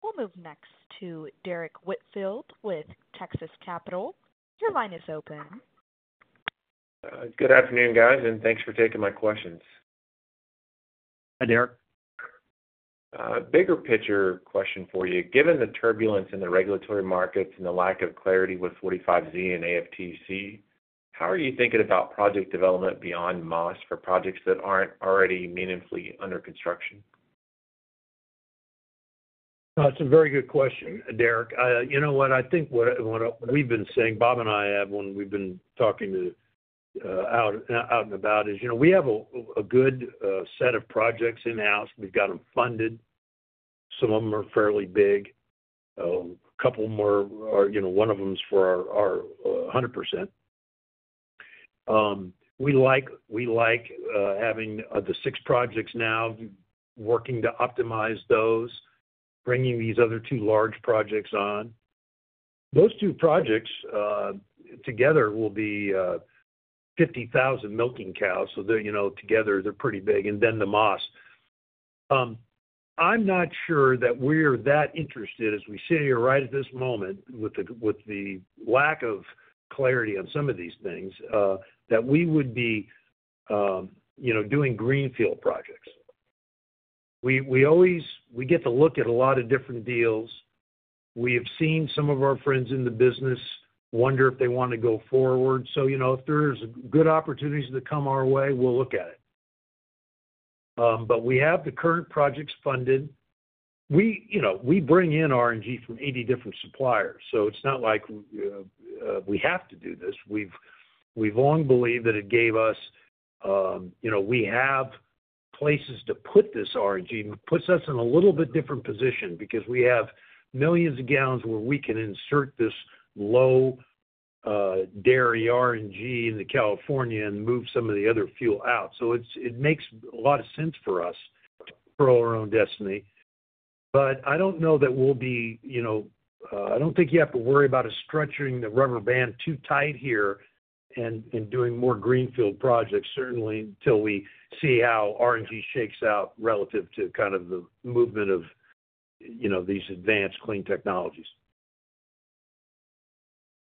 We'll move next to Derrick Whitfield with Texas Capital. Your line is open. Good afternoon, guys, and thanks for taking my questions. Hi, Derrick. Bigger picture question for you. Given the turbulence in the regulatory markets and the lack of clarity with 45Z and AFTC, how are you thinking about project development beyond Maas for projects that aren't already meaningfully under construction? That's a very good question, Derrick. You know what? I think what we've been saying, Bob and I have when we've been talking out and about, is we have a good set of projects in-house. We've got them funded. Some of them are fairly big. A couple more are, one of them's for our 100%. We like having the six projects now, working to optimize those, bringing these other two large projects on. Those two projects together will be 50,000 milking cows. So together, they're pretty big. And then the Maas. I'm not sure that we're that interested as we sit here right at this moment with the lack of clarity on some of these things that we would be doing greenfield projects. We get to look at a lot of different deals. We have seen some of our friends in the business wonder if they want to go forward. So if there's good opportunities that come our way, we'll look at it. But we have the current projects funded. We bring in RNG from 80 different suppliers. So it's not like we have to do this. We've long believed that it gave us. We have places to put this RNG. It puts us in a little bit different position because we have millions of gallons where we can insert this low dairy RNG in California and move some of the other fuel out. So it makes a lot of sense for us to probe our own destiny. But I don't think you have to worry about us stretching the rubber band too tight here and doing more greenfield projects, certainly, until we see how RNG shakes out relative to kind of the movement of these advanced clean technologies.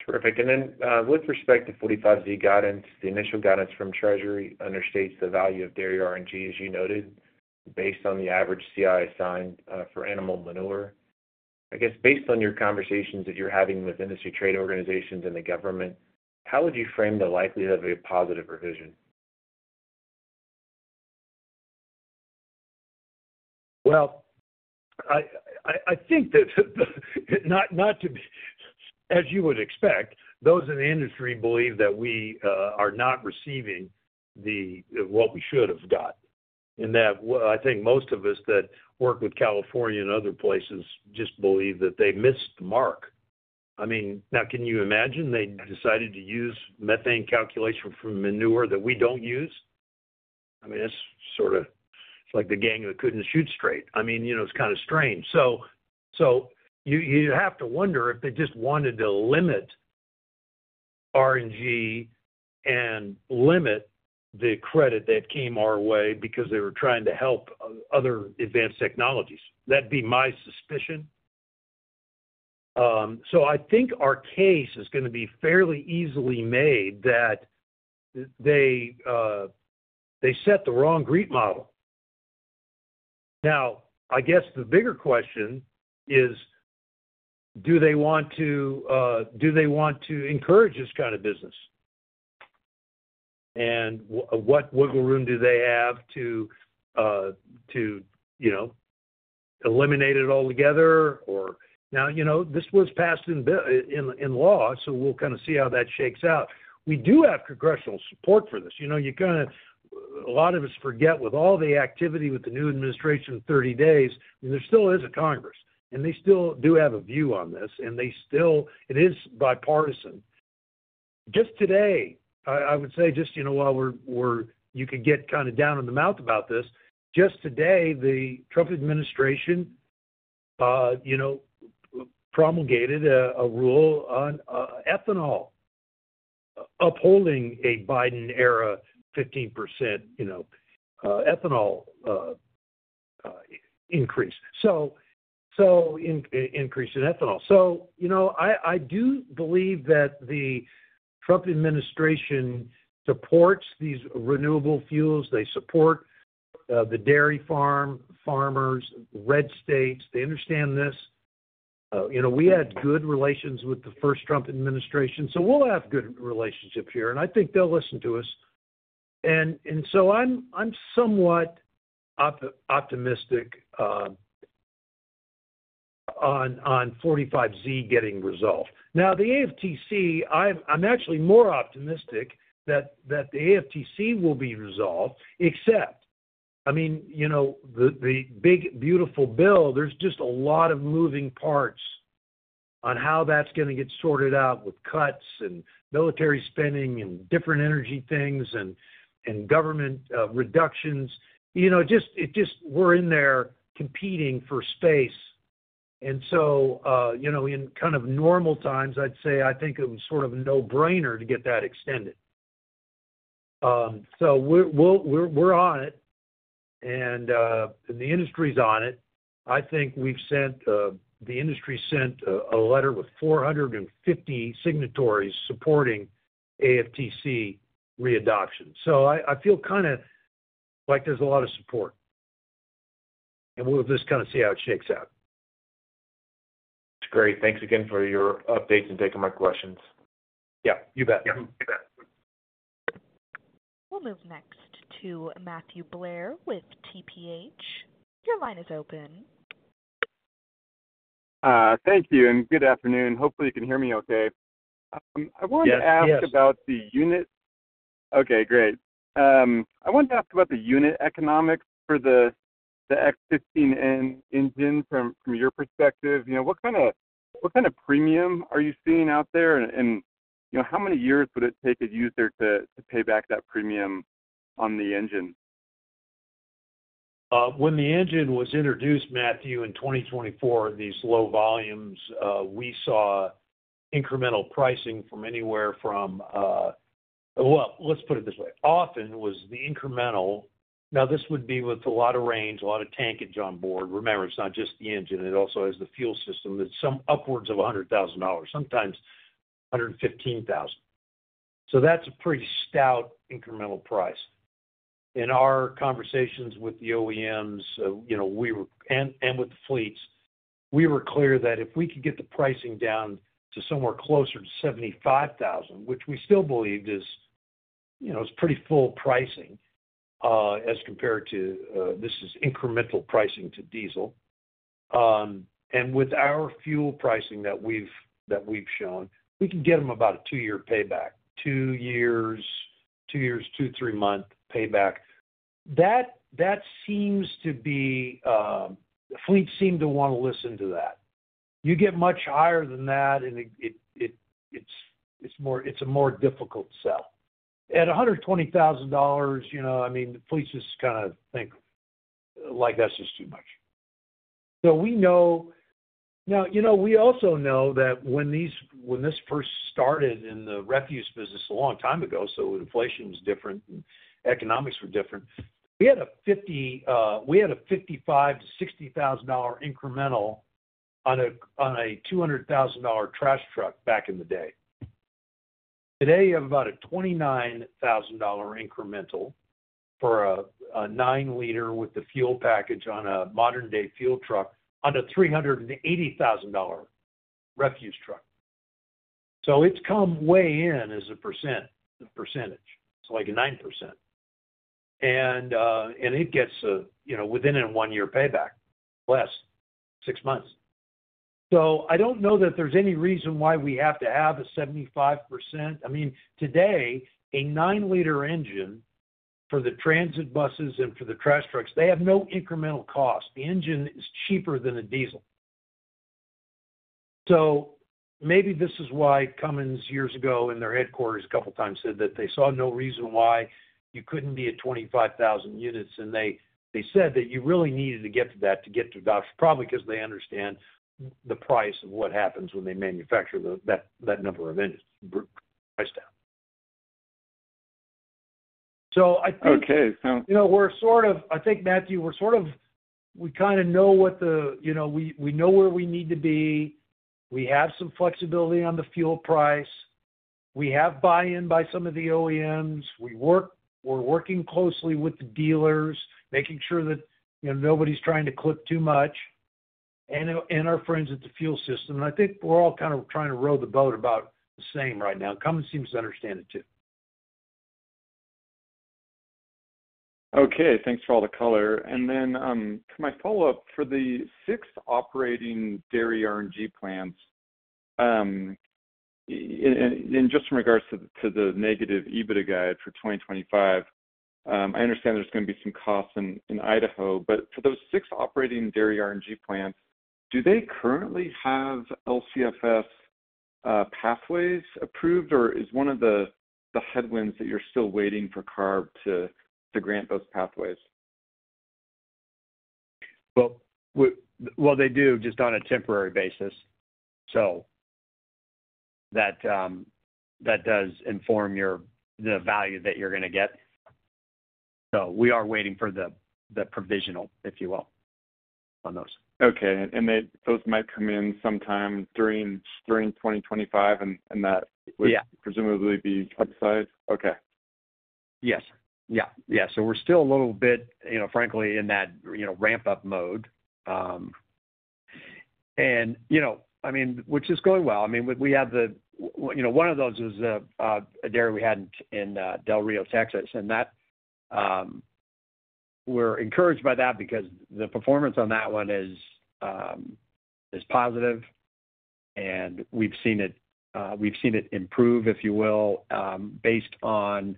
Terrific. And then with respect to 45Z guidance, the initial guidance from Treasury understates the value of dairy RNG, as you noted, based on the average CI assigned for animal manure. I guess based on your conversations that you're having with industry trade organizations and the government, how would you frame the likelihood of a positive revision? Well, I think that not to be, as you would expect, those in the industry believe that we are not receiving what we should have got. And I think most of us that work with California and other places just believe that they missed the mark. I mean, now, can you imagine they decided to use methane calculation for manure that we don't use? I mean, it's sort of like the gang that couldn't shoot straight. I mean, it's kind of strange. So you have to wonder if they just wanted to limit RNG and limit the credit that came our way because they were trying to help other advanced technologies. That'd be my suspicion. I think our case is going to be fairly easily made that they set the wrong GREET model. Now, I guess the bigger question is, do they want to, do they want to encourage this kind of business? And what wiggle room do they have to eliminate it altogether? Or now, this was passed in law, so we'll kind of see how that shakes out. We do have congressional support for this. A lot of us forget with all the activity with the new administration in 30 days, and there still is a Congress. And they still do have a view on this, and it is bipartisan. Just today, I would say just while you could get kind of down in the mouth about this, just today, the Trump administration promulgated a rule on ethanol, upholding a Biden-era 15% ethanol increase. So increase in ethanol. So I do believe that the Trump administration supports these renewable fuels. They support the dairy farm, farmers, red states. They understand this. We had good relations with the first Trump administration, so we'll have good relationships here, and I think they'll listen to us. And so I'm somewhat optimistic on 45Z getting resolved. Now, the AFTC, I'm actually more optimistic that the AFTC will be resolved, except, I mean, the big, beautiful bill, there's just a lot of moving parts on how that's going to get sorted out with cuts and military spending and different energy things and government reductions. It just, we're in there competing for space. And so in kind of normal times, I'd say I think it was sort of a no-brainer to get that extended. So we're on it, and the industry's on it. I think we've sent, the industry sent a letter with 450 signatories supporting AFTC readoption. So I feel kind of like there's a lot of support. And we'll just kind of see how it shakes out. That's great. Thanks again for your updates and taking my questions. Yeah. You bet. Yeah. You bet. We'll move next to Matthew Blair with TPH. Your line is open. Thank you. And good afternoon. Hopefully, you can hear me okay. Okay, great. I wanted to ask about the unit economics for the X15N engine from your perspective. What kind of premium are you seeing out there, and how many years would it take a user to pay back that premium on the engine? When the engine was introduced, Matthew, in 2024, these low volumes, we saw incremental pricing from anywhere from, well, let's put it this way. Oftentimes the incremental, now this would be with a lot of range, a lot of tankage on board. Remember, it's not just the engine. It also has the fuel system. It's upwards of $100,000, sometimes $115,000. So that's a pretty stout incremental price. In our conversations with the OEMs and with the fleets, we were clear that if we could get the pricing down to somewhere closer to $75,000, which we still believed is pretty full pricing as compared to, this is incremental pricing to diesel. And with our fuel pricing that we've shown, we can get them about a two-year payback, two years, two- to three-year payback. That seems to be, the fleets seem to want to listen to that. You get much higher than that, and it's a more difficult sell. At $120,000, I mean, the fleets just kind of think, "That's just too much." Now, we also know that when this first started in the refuse business a long time ago, so inflation was different and economics were different, we had a $55,000-$60,000 incremental on a $200,000 trash truck back in the day. Today, you have about a $29,000 incremental for a 9-liter with the fuel package on a modern-day refuse truck on a $380,000 refuse truck. So it's come way in as a percentage. It's like a 9%. And it gets within a one-year payback, less, six months. So I don't know that there's any reason why we have to have a 75%. I mean, today, a 9-liter engine for the transit buses and for the trash trucks, they have no incremental cost. The engine is cheaper than a diesel. So maybe this is why Cummins, years ago in their headquarters, a couple of times said that they saw no reason why you couldn't be at 25,000 units, and they said that you really needed to get to that to get to, probably because they understand the price of what happens when they manufacture that number of units, price down. So I think we're sort of, I think, Matthew, we're sort of, we kind of know what the, we know where we need to be. We have some flexibility on the fuel price. We have buy-in by some of the OEMs. We're working closely with the dealers, making sure that nobody's trying to clip too much, and our friends at the fuel system. And I think we're all kind of trying to row the boat about the same right now. Cummins seems to understand it too. Okay. Thanks for all the color. Then my follow-up for the six operating dairy RNG plants, and just in regards to the negative EBITDA guide for 2025, I understand there's going to be some costs in Idaho. But for those six operating dairy RNG plants, do they currently have LCFS pathways approved, or is one of the headwinds that you're still waiting for CARB to grant those pathways? Well, they do, just on a temporary basis. So that does inform the value that you're going to get. So we are waiting for the provisional, if you will, on those. Okay. And those might come in sometime during 2025, and that would presumably be upside. Okay. Yes. Yeah. Yeah. So we're still a little bit, frankly, in that ramp-up mode. And I mean, which is going well. I mean, we have the-one of those is a dairy we had in Del Rio, Texas. And we're encouraged by that because the performance on that one is positive. And we've seen it improve, if you will, based on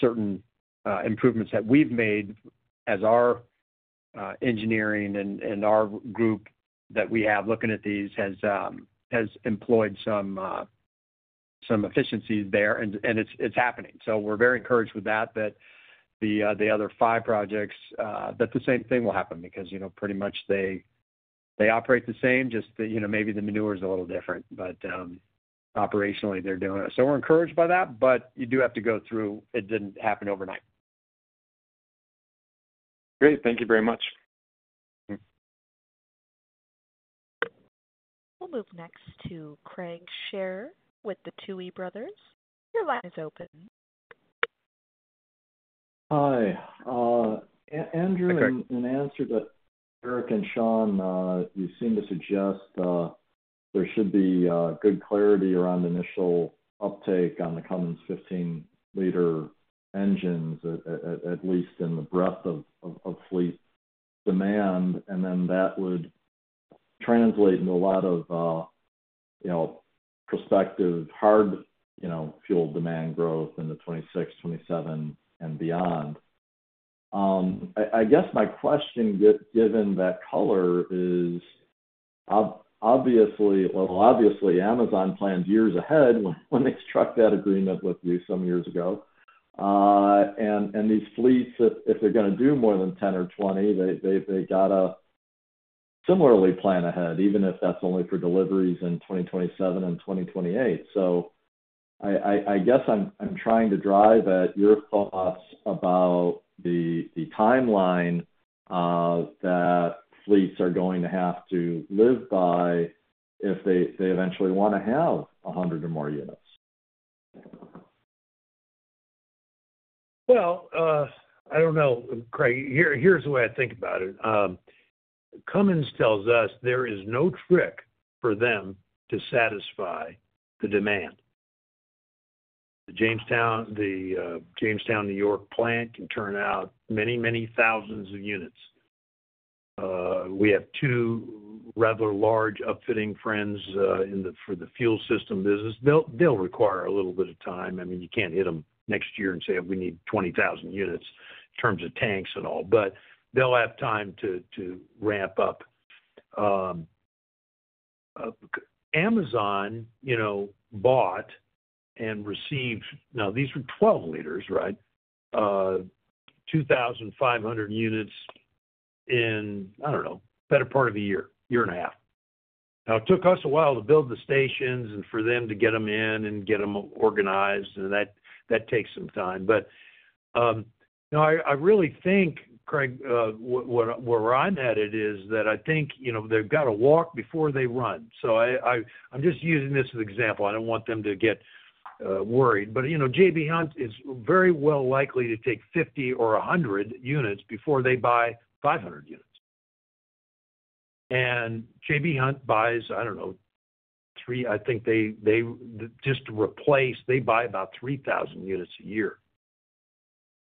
certain improvements that we've made as our engineering and our group that we have looking at these has employed some efficiencies there. And it's happening. So we're very encouraged with that, that the other five projects, that the same thing will happen because pretty much they operate the same, just maybe the manure is a little different, but operationally, they're doing it. So we're encouraged by that, but you do have to go through it. It didn't happen overnight. Great. Thank you very much. We'll move next to Craig Shere with Tuohy Brothers. Your line is open. Hi. Andrew an answer, but Eric and Sean, you seem to suggest there should be good clarity around initial uptake on the Cummins 15-liter engines, at least in the breadth of fleet demand, and then that would translate into a lot of prospective hard fuel demand growth in the 2026, 2027, and beyond. I guess my question, given that color, is obviously, well, obviously, Amazon plans years ahead when they struck that agreement with you some years ago, and these fleets, if they're going to do more than 10 or 20, they got to similarly plan ahead, even if that's only for deliveries in 2027 and 2028, so I guess I'm trying to drive at your thoughts about the timeline that fleets are going to have to live by if they eventually want to have 100 or more units. Well, I don't know. Here's the way I think about it. Cummins tells us there is no trick for them to satisfy the demand. The Jamestown, New York plant can turn out many, many thousands of units. We have two rather large upfitting firms for the fuel system business. They'll require a little bit of time. I mean, you can't hit them next year and say, "We need 20,000 units," in terms of tanks and all. But they'll have time to ramp up. Amazon bought and received, now, these were 12 liters, right? 2,500 units in, I don't know, better part of a year, year and a half. Now, it took us a while to build the stations and for them to get them in and get them organized, and that takes some time. But I really think, Craig, where I'm at, is that I think they've got to walk before they run. So I'm just using this as an example. I don't want them to get worried. But J.B. Hunt is very likely to take 50 or 100 units before they buy 500 units. And J.B. Hunt buys, I don't know, 3,000. I think they just replace. They buy about 3,000 units a year.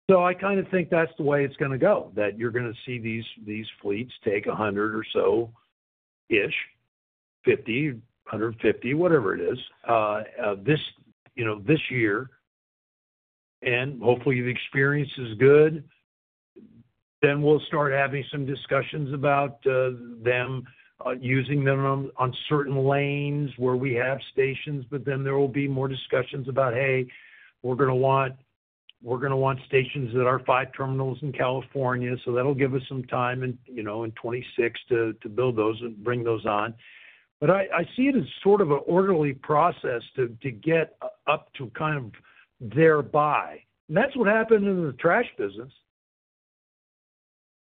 So I kind of think that's the way it's going to go, that you're going to see these fleets take 100 or so-ish, 50, 150, whatever it is, this year. And hopefully, the experience is good. Then we'll start having some discussions about them using them on certain lanes where we have stations. But then there will be more discussions about, "Hey, we're going to want stations that are five terminals in California." So that'll give us some time in 2026 to build those and bring those on. But I see it as sort of an orderly process to get up to kind of thereby. And that's what happened in the trash business.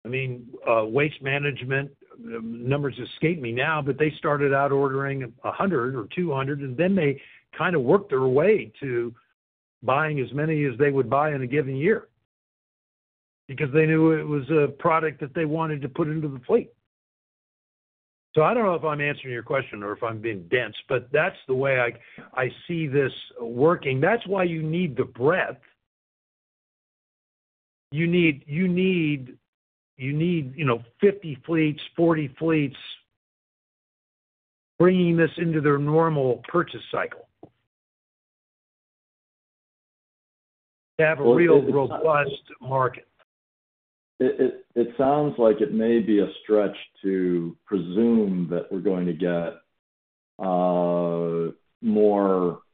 I mean, Waste Management, numbers escape me now, but they started out ordering 100 or 200, and then they kind of worked their way to buying as many as they would buy in a given year because they knew it was a product that they wanted to put into the fleet. So I don't know if I'm answering your question or if I'm being dense, but that's the way I see this working. That's why you need the breadth. You need 50 fleets, 40 fleets bringing this into their normal purchase cycle to have a real robust market. It sounds like it may be a stretch to presume that we're going to get more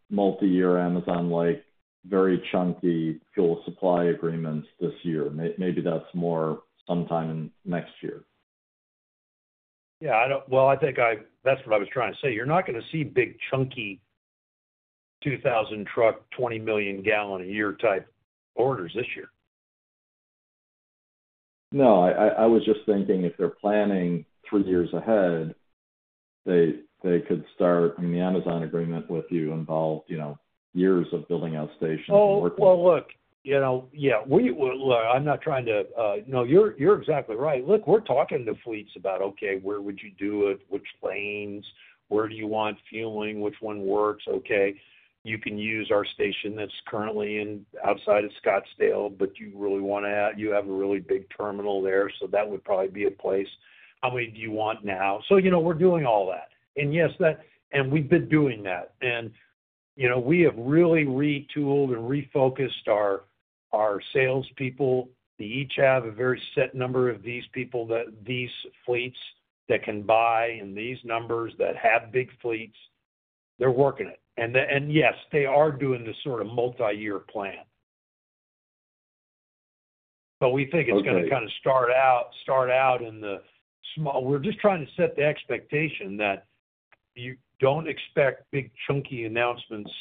multi-year Amazon-like, very chunky fuel supply agreements this year. Maybe that's more sometime next year. Yeah. Well, I think that's what I was trying to say. You're not going to see big chunky 2,000 truck, 20 million gallon a year type orders this year. No. I was just thinking if they're planning three years ahead, they could start, I mean, the Amazon agreement with you involved years of building out stations and working. Oh, well, look. Yeah. Look, I'm not trying to, no, you're exactly right. Look, we're talking to fleets about, "Okay, where would you do it? Which lanes? Where do you want fueling? Which one works? Okay. You can use our station that's currently outside of Scottsdale, but you really want to, you have a really big terminal there, so that would probably be a place. How many do you want now?" So we're doing all that. And yes, and we've been doing that. And we have really retooled and refocused our salespeople. They each have a very set number of these people, these fleets that can buy and these numbers that have big fleets. They're working it, and yes, they are doing this sort of multi-year plan. But we think it's going to kind of start out in the small. We're just trying to set the expectation that you don't expect big chunky announcements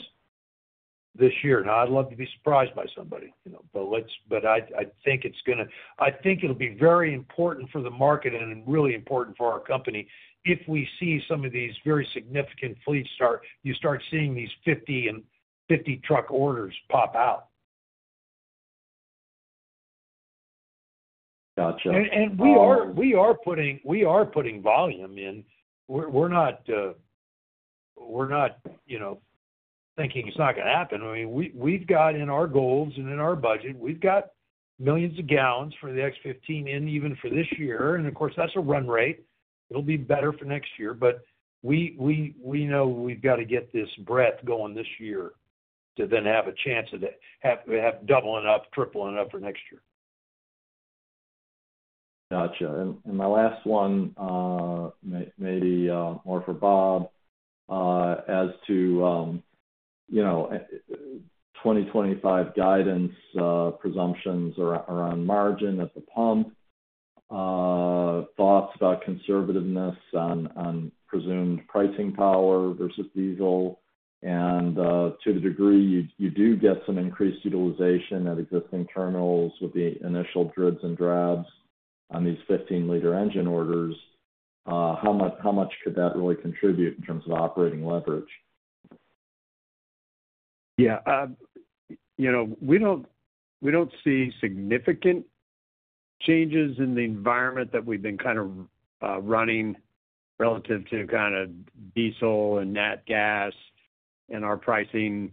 this year. Now, I'd love to be surprised by somebody. But I think it's going to. I think it'll be very important for the market and really important for our company if we see some of these very significant fleets start. You start seeing these 50 truck orders pop out. And we are putting volume in. We're not thinking it's not going to happen. I mean, we've got in our goals and in our budget, we've got millions of gallons for the next 15 and even for this year. And of course, that's a run rate. It'll be better for next year. But we know we've got to get this breadth going this year to then have a chance to have doubling up, tripling up for next year. Gotcha. And my last one, maybe more for Bob, as to 2025 guidance, presumptions around margin at the pump, thoughts about conservativeness on presumed pricing power versus diesel, and to the degree you do get some increased utilization at existing terminals with the initial dribs and drabs on these 15-liter engine orders, how much could that really contribute in terms of operating leverage? Yeah. We don't see significant changes in the environment that we've been kind of running relative to kind of diesel and natural gas and our pricing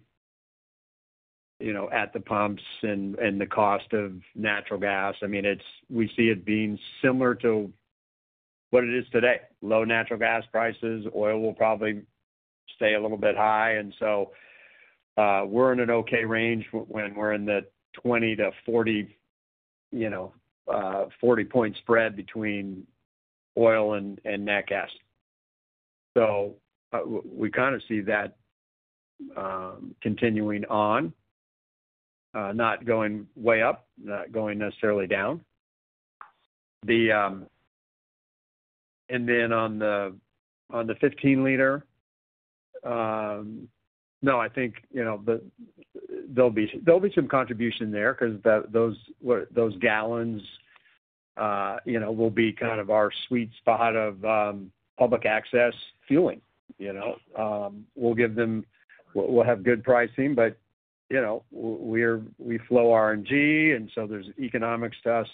at the pumps and the cost of natural gas. I mean, we see it being similar to what it is today. Low natural gas prices. Oil will probably stay a little bit high. And so we're in an okay range when we're in the 20- to 40-point spread between oil and natural gas. So we kind of see that continuing on, not going way up, not going necessarily down. And then on the 15-liter—no, I think there'll be some contribution there because those gallons will be kind of our sweet spot of public access fueling. We'll have good pricing, but we flow RNG, and so there's economics to us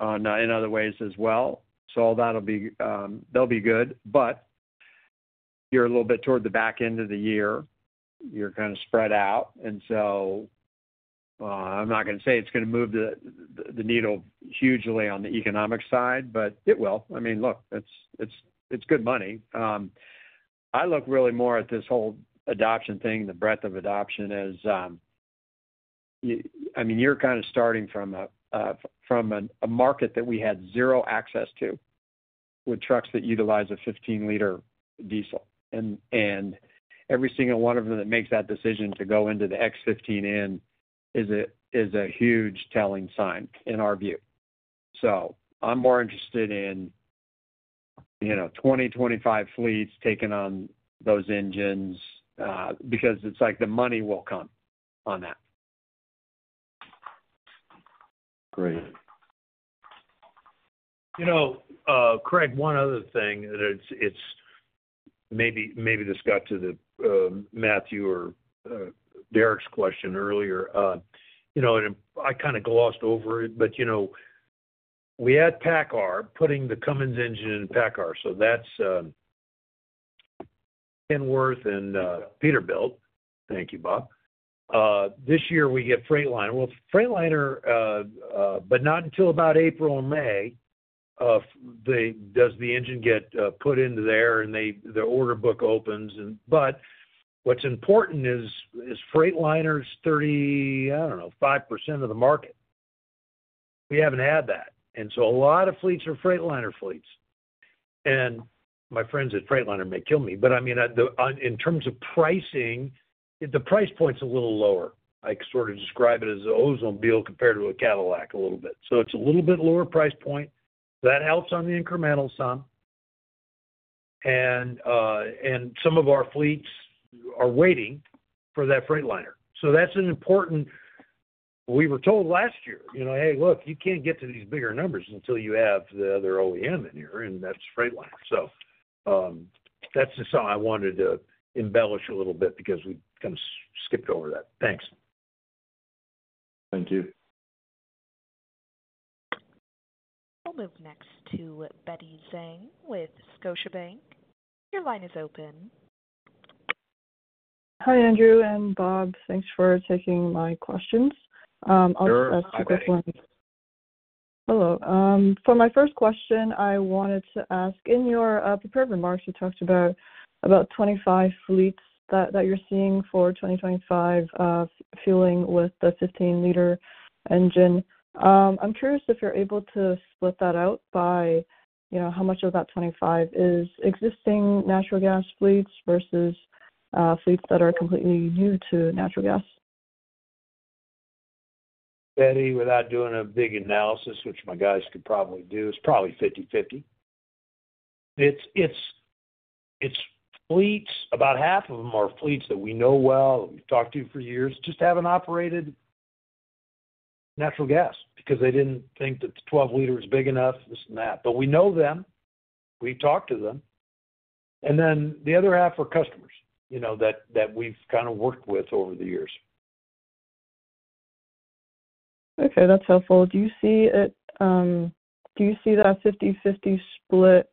in other ways as well. So they'll be good. But you're a little bit toward the back end of the year. You're kind of spread out. And so I'm not going to say it's going to move the needle hugely on the economic side, but it will. I mean, look, it's good money. I look really more at this whole adoption thing, the breadth of adoption, as I mean, you're kind of starting from a market that we had zero access to with trucks that utilize a 15-liter diesel. And every single one of them that makes that decision to go into the X15N is a huge telling sign in our view. So I'm more interested in 20, 25 fleets taking on those engines because it's like the money will come on that. Great. Craig, one other thing, and maybe this got to the Matthew or Derrick's question earlier. I kind of glossed over it, but we had PACCAR putting the Cummins engine in PACCAR. So that's Kenworth and Peterbilt. Thank you, Bob. This year, we get Freightliner. Well, Freightliner, but not until about April and May, does the engine get put into there and the order book opens. But what's important is Freightliner's 30, I don't know, 5% of the market. We haven't had that. And so a lot of fleets are Freightliner fleets. And my friends at Freightliner may kill me, but I mean, in terms of pricing, the price point's a little lower. I sort of describe it as an Oldsmobile compared to a Cadillac a little bit. So it's a little bit lower price point. That helps on the incremental sum. And some of our fleets are waiting for that Freightliner. So that's an important point. We were told last year, "Hey, look, you can't get to these bigger numbers until you have the other OEM in here," and that's Freightliner. So that's just how I wanted to embellish a little bit because we kind of skipped over that. Thanks. Thank you. We'll move next to Betty Zhang with Scotiabank. Your line is open. Hi, Andrew and Bob. Thanks for taking my questions. I'll just ask a quick one. Sure. Hello. For my first question, I wanted to ask, in your prepared remarks, you talked about 25 fleets that you're seeing for 2025 fueling with the 15-liter engine. I'm curious if you're able to split that out by how much of that 25 is existing natural gas fleets versus fleets that are completely new to natural gas. Betty, without doing a big analysis, which my guys could probably do, it's probably 50/50. About half of them are fleets that we know well, that we've talked to for years, just haven't operated natural gas because they didn't think that the 12-liter is big enough, this and that. But we know them. We've talked to them. And then the other half are customers that we've kind of worked with over the years. Okay. That's helpful. Do you see it? Do you see that 50/50 split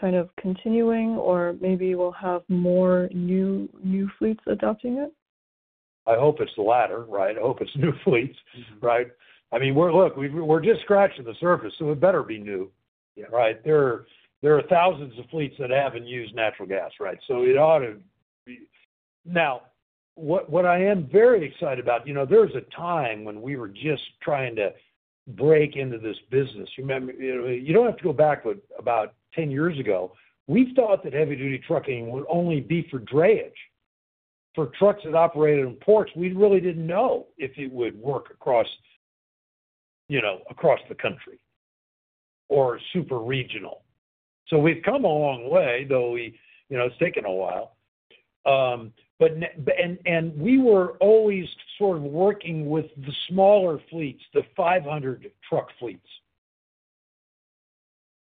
kind of continuing, or maybe we'll have more new fleets adopting it? I hope it's the latter, right? I hope it's new fleets, right? I mean, look, we're just scratching the surface, so it better be new, right? There are thousands of fleets that haven't used natural gas, right? So it ought to be. Now, what I am very excited about, there was a time when we were just trying to break into this business. You don't have to go back about 10 years ago. We thought that heavy-duty trucking would only be for drayage. For trucks that operated in ports, we really didn't know if it would work across the country or super regional. So we've come a long way, though it's taken a while. We were always sort of working with the smaller fleets, the 500 truck fleets.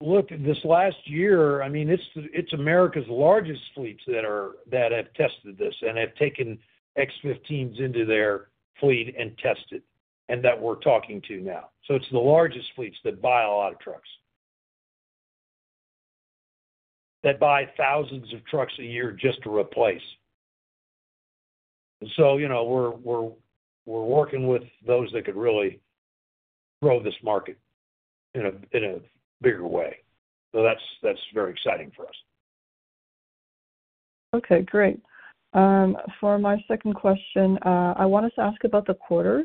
Look, this last year, I mean, it's America's largest fleets that have tested this and have taken X15s into their fleet and tested and that we're talking to now. It's the largest fleets that buy a lot of trucks, that buy thousands of trucks a year just to replace. We're working with those that could really grow this market in a bigger way. That's very exciting for us. Okay. Great. For my second question, I wanted to ask about the quarter.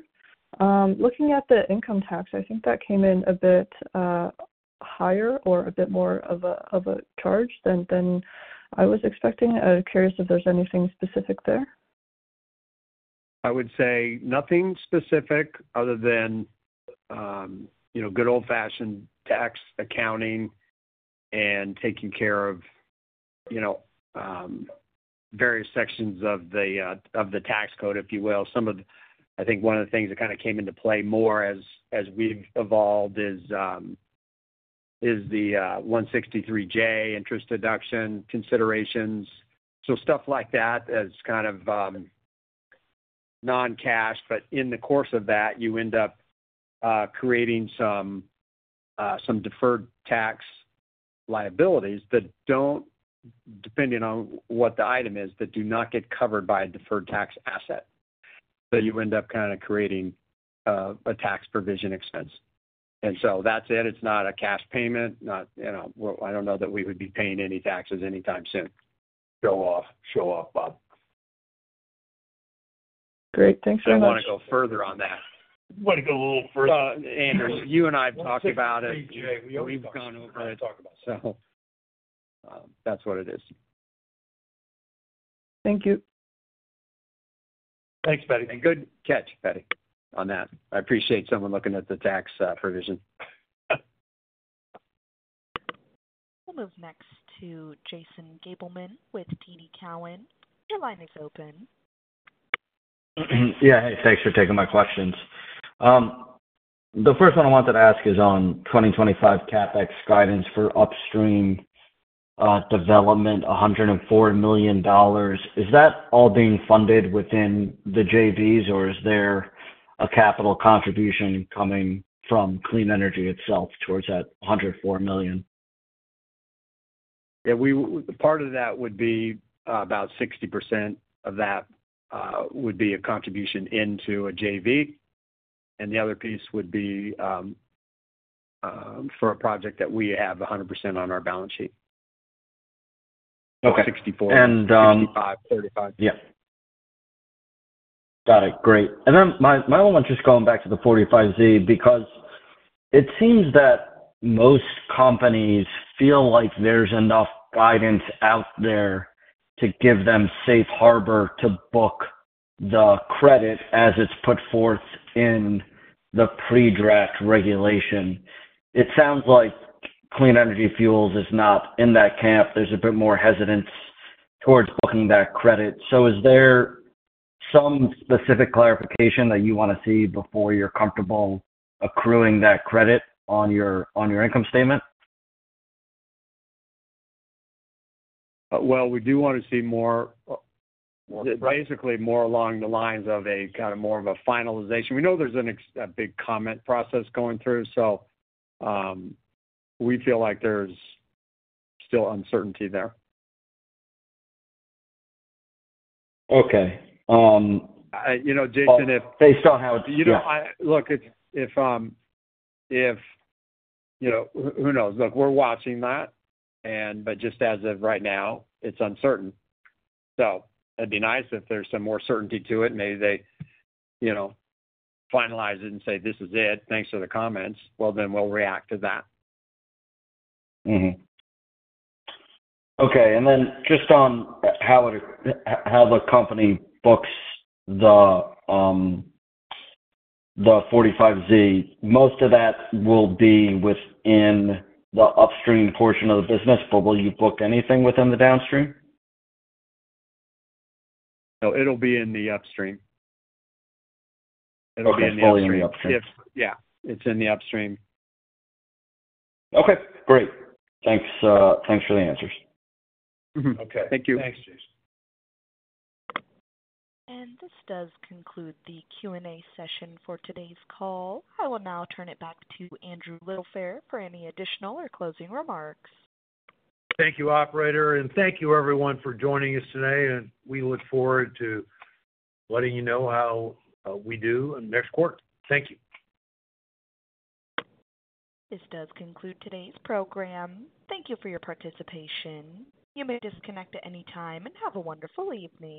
Looking at the income tax, I think that came in a bit higher or a bit more of a charge than I was expecting. I'm curious if there's anything specific there. I would say nothing specific other than good old-fashioned tax accounting and taking care of various sections of the tax code, if you will. I think one of the things that kind of came into play more as we've evolved is the 163(j) interest deduction considerations. So stuff like that is kind of non-cash, but in the course of that, you end up creating some deferred tax liabilities that don't, depending on what the item is, that do not get covered by a deferred tax asset. So you end up kind of creating a tax provision expense. And so that's it. It's not a cash payment. I don't know that we would be paying any taxes anytime soon. Show off, Bob. Great. Thanks so much. I didn't want to go further on that. I want to go a little further. Andrew, you and I have talked about it. We've gone over it. So that's what it is. Thank you. Thanks, Betty. And good catch, Betty, on that. I appreciate someone looking at the tax provision. We'll move next to Jason Gabelman with TD Cowen. Your line is open. Yeah. Hey, thanks for taking my questions. The first one I wanted to ask is on 2025 CapEx guidance for upstream development, $104 million. Is that all being funded within the JVs, or is there a capital contribution coming from Clean Energy itself towards that $104 million? Yeah. Part of that would be about 60% of that would be a contribution into a JV. And the other piece would be for a project that we have 100% on our balance sheet, 64, 65, 45. Yeah. Got it. Great. And then my only one just going back to the 45Z because it seems that most companies feel like there's enough guidance out there to give them safe harbor to book the credit as it's put forth in the pre-draft regulation. It sounds like Clean Energy Fuels is not in that camp. There's a bit more hesitance towards booking that credit. So is there some specific clarification that you want to see before you're comfortable accruing that credit on your income statement? Well, we do want to see basically more along the lines of kind of more of a finalization. We know there's a big comment process going through, so we feel like there's still uncertainty there. Okay. Jason. Look, we're watching that, but just as of right now, it's uncertain. It'd be nice if there's some more certainty to it. Maybe they finalize it and say, "This is it. Thanks for the comments." Then we'll react to that. Okay. Then just on how the company books the 45Z, most of that will be within the upstream portion of the business, but will you book anything within the downstream? No, it'll be in the upstream. It'll be in the upstream. Yeah. It's in the upstream. Okay. Great. Thanks for the answers. Okay. Thank you. Thanks, Jason. This does conclude the Q&A session for today's call. I will now turn it back to Andrew Littlefair for any additional or closing remarks. Thank you, operator. Thank you, everyone, for joining us today. We look forward to letting you know how we do in the next quarter. Thank you. This does conclude today's program. Thank you for your participation. You may disconnect at any time and have a wonderful evening.